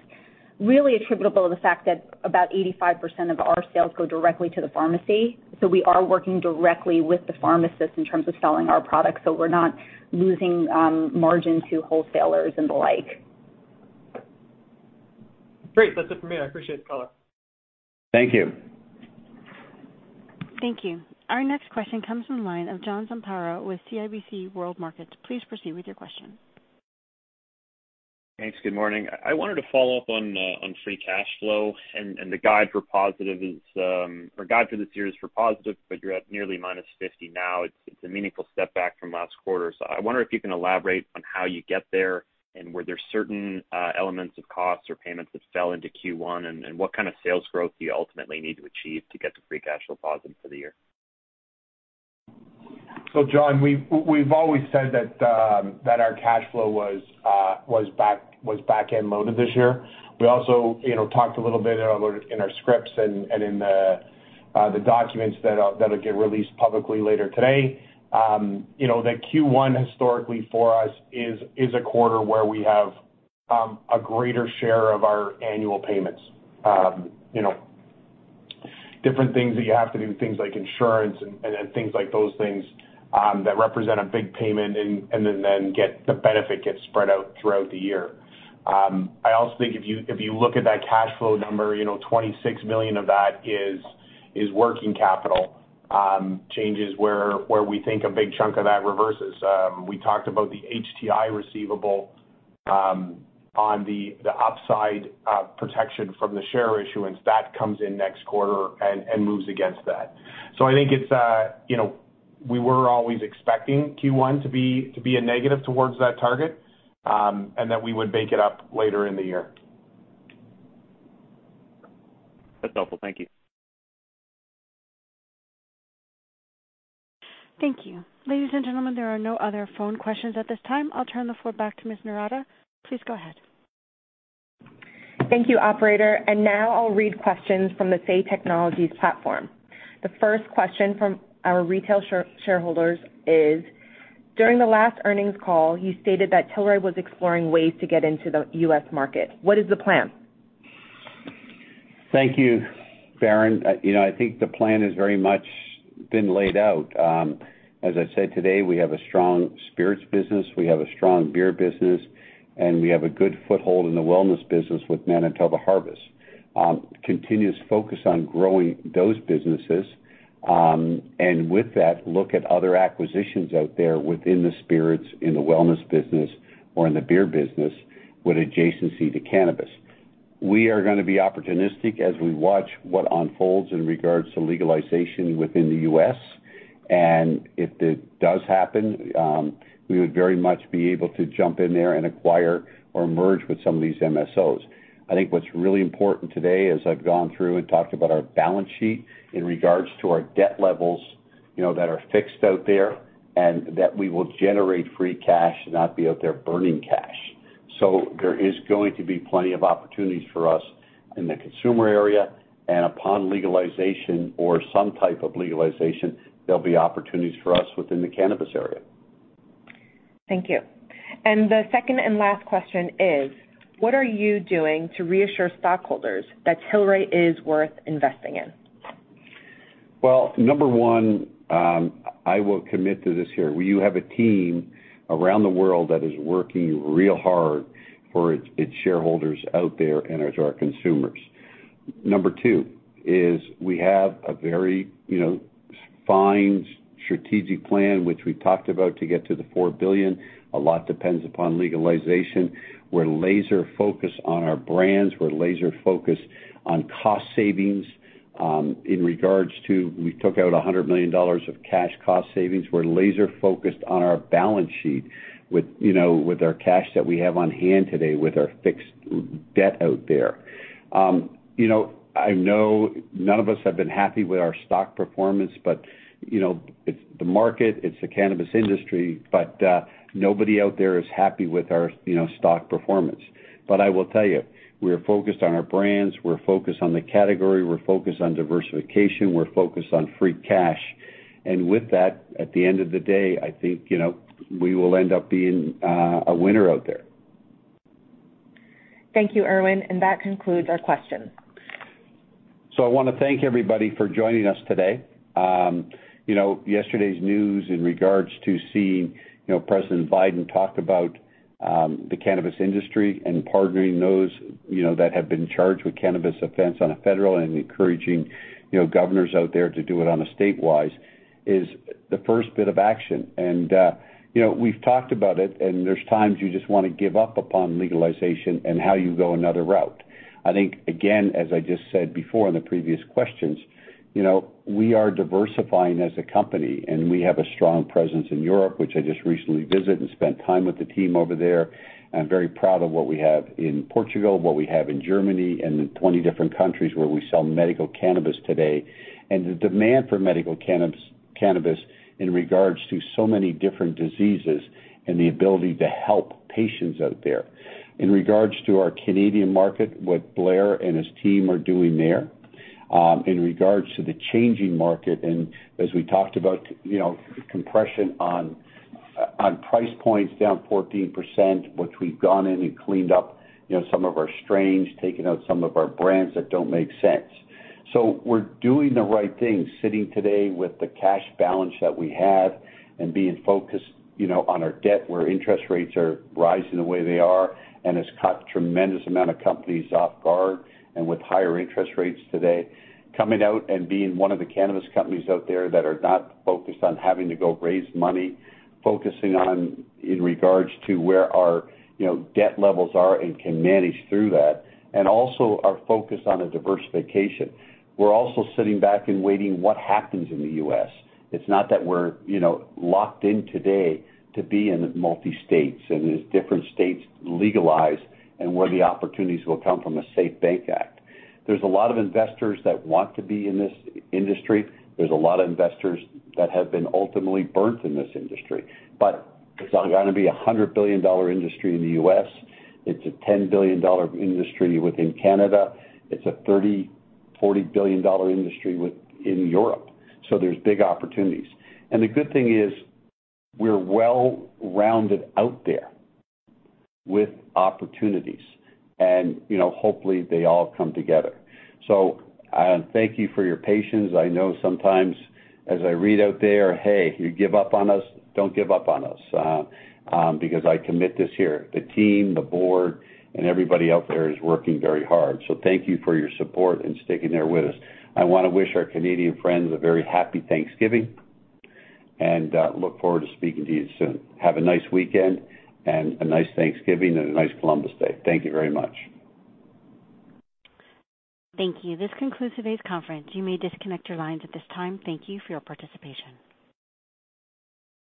really attributable to the fact that about 85% of our sales go directly to the pharmacy. We are working directly with the pharmacist in terms of selling our products, so we're not losing margin to wholesalers and the like. Great. That's it for me. I appreciate the call. Thank you. Thank you. Our next question comes from the line of John Zamparo with CIBC World Markets. Please proceed with your question. Thanks. Good morning. I wanted to follow up on free cash flow and the guide for this year is for positive, but you're at nearly minus $50 now. It's a meaningful step back from last quarter. I wonder if you can elaborate on how you get there and were there certain elements of costs or payments that fell into Q1 and what kind of sales growth do you ultimately need to achieve to get to free cash flow positive for the year? John, we've always said that our cash flow was back-end loaded this year. We also talked a little bit about it in our scripts and in the documents that'll get released publicly later today. You know, the Q1 historically for us is a quarter where we have a greater share of our annual payments. You know, different things that you have to do, things like insurance and things like those things that represent a big payment and then the benefit gets spread out throughout the year. I also think if you look at that cash flow number, you know, $26 million of that is working capital changes where we think a big chunk of that reverses. We talked about the HTI receivable on the upside protection from the share issuance. That comes in next quarter and moves against that. I think it's, you know, we were always expecting Q1 to be a negative towards that target, and that we would make it up later in the year. That's helpful. Thank you. Thank you. Ladies and gentlemen, there are no other phone questions at this time. I'll turn the floor back to Ms. Noorata. Please go ahead. Thank you, operator. Now I'll read questions from the Say Technologies platform. The first question from our retail shareholders is During the last earnings call, you stated that Tilray was exploring ways to get into the U.S. market. What is the plan? Thank you, Berrin. You know, I think the plan is very much been laid out. As I said today, we have a strong spirits business, we have a strong beer business, and we have a good foothold in the wellness business with Manitoba Harvest. Continuous focus on growing those businesses. With that, look at other acquisitions out there within the spirits, in the wellness business or in the beer business with adjacency to cannabis. We are gonna be opportunistic as we watch what unfolds in regards to legalization within the US. If it does happen, we would very much be able to jump in there and acquire or merge with some of these MSOs. I think what's really important today, as I've gone through and talked about our balance sheet in regards to our debt levels, you know, that are fixed out there, and that we will generate free cash and not be out there burning cash. There is going to be plenty of opportunities for us in the consumer area, and upon legalization or some type of legalization, there'll be opportunities for us within the cannabis area. Thank you. The second and last question is: What are you doing to reassure stockholders that Tilray is worth investing in? Well, number one, I will commit to this here. We have a team around the world that is working real hard for its shareholders out there and as our consumers. Number two is we have a very, you know, fine strategic plan, which we talked about to get to the $4 billion. A lot depends upon legalization. We're laser focused on our brands. We're laser focused on cost savings, in regards to we took out $100 million of cash cost savings. We're laser focused on our balance sheet with, you know, with our cash that we have on hand today with our fixed debt out there. You know, I know none of us have been happy with our stock performance, but, you know, it's the market, it's the cannabis industry, but nobody out there is happy with our, you know, stock performance. I will tell you, we're focused on our brands. We're focused on the category. We're focused on diversification. We're focused on free cash. And with that, at the end of the day, I think, you know, we will end up being a winner out there. Thank you, Irwin. That concludes our questions. I wanna thank everybody for joining us today. You know, yesterday's news in regards to seeing President Biden talk about the cannabis industry and pardoning those that have been charged with cannabis offense on a federal and encouraging governors out there to do it on a state-wise is the first bit of action. You know, we've talked about it, and there's times you just wanna give up upon legalization and how you go another route. I think, again, as I just said before in the previous questions, you know, we are diversifying as a company, and we have a strong presence in Europe, which I just recently visited and spent time with the team over there. I'm very proud of what we have in Portugal, what we have in Germany and in 20 different countries where we sell medical cannabis today, and the demand for medical cannabis in regards to so many different diseases and the ability to help patients out there. In regards to our Canadian market, what Blair and his team are doing there, in regards to the changing market, and as we talked about, you know, compression on price points down 14%, which we've gone in and cleaned up, you know, some of our strains, taken out some of our brands that don't make sense. We're doing the right thing, sitting today with the cash balance that we have and being focused, you know, on our debt, where interest rates are rising the way they are and has caught a tremendous amount of companies off guard and with higher interest rates today. Coming out and being one of the cannabis companies out there that are not focused on having to go raise money, focusing on in regards to where our, you know, debt levels are and can manage through that, and also are focused on a diversification. We're also sitting back and waiting what happens in the US. It's not that we're, you know, locked in today to be in the multi-states and as different states legalize and where the opportunities will come from a SAFE Banking Act. There's a lot of investors that want to be in this industry. There's a lot of investors that have been ultimately burned in this industry. It's gonna be a $100 billion industry in the U.S.. It's a $10 billion industry within Canada. It's a $30-$40 billion industry in Europe. There's big opportunities. The good thing is we're well-rounded out there with opportunities and, you know, hopefully they all come together. Thank you for your patience. I know sometimes as I read out there, "Hey, you give up on us?" Don't give up on us, because I commit this here, the team, the board, and everybody out there is working very hard. Thank you for your support and sticking there with us. I wanna wish our Canadian friends a very happy Thanksgiving and, look forward to speaking to you soon. Have a nice weekend and a nice Thanksgiving and a nice Columbus Day. Thank you very much. Thank you. This concludes today's conference. You may disconnect your lines at this time. Thank you for your participation.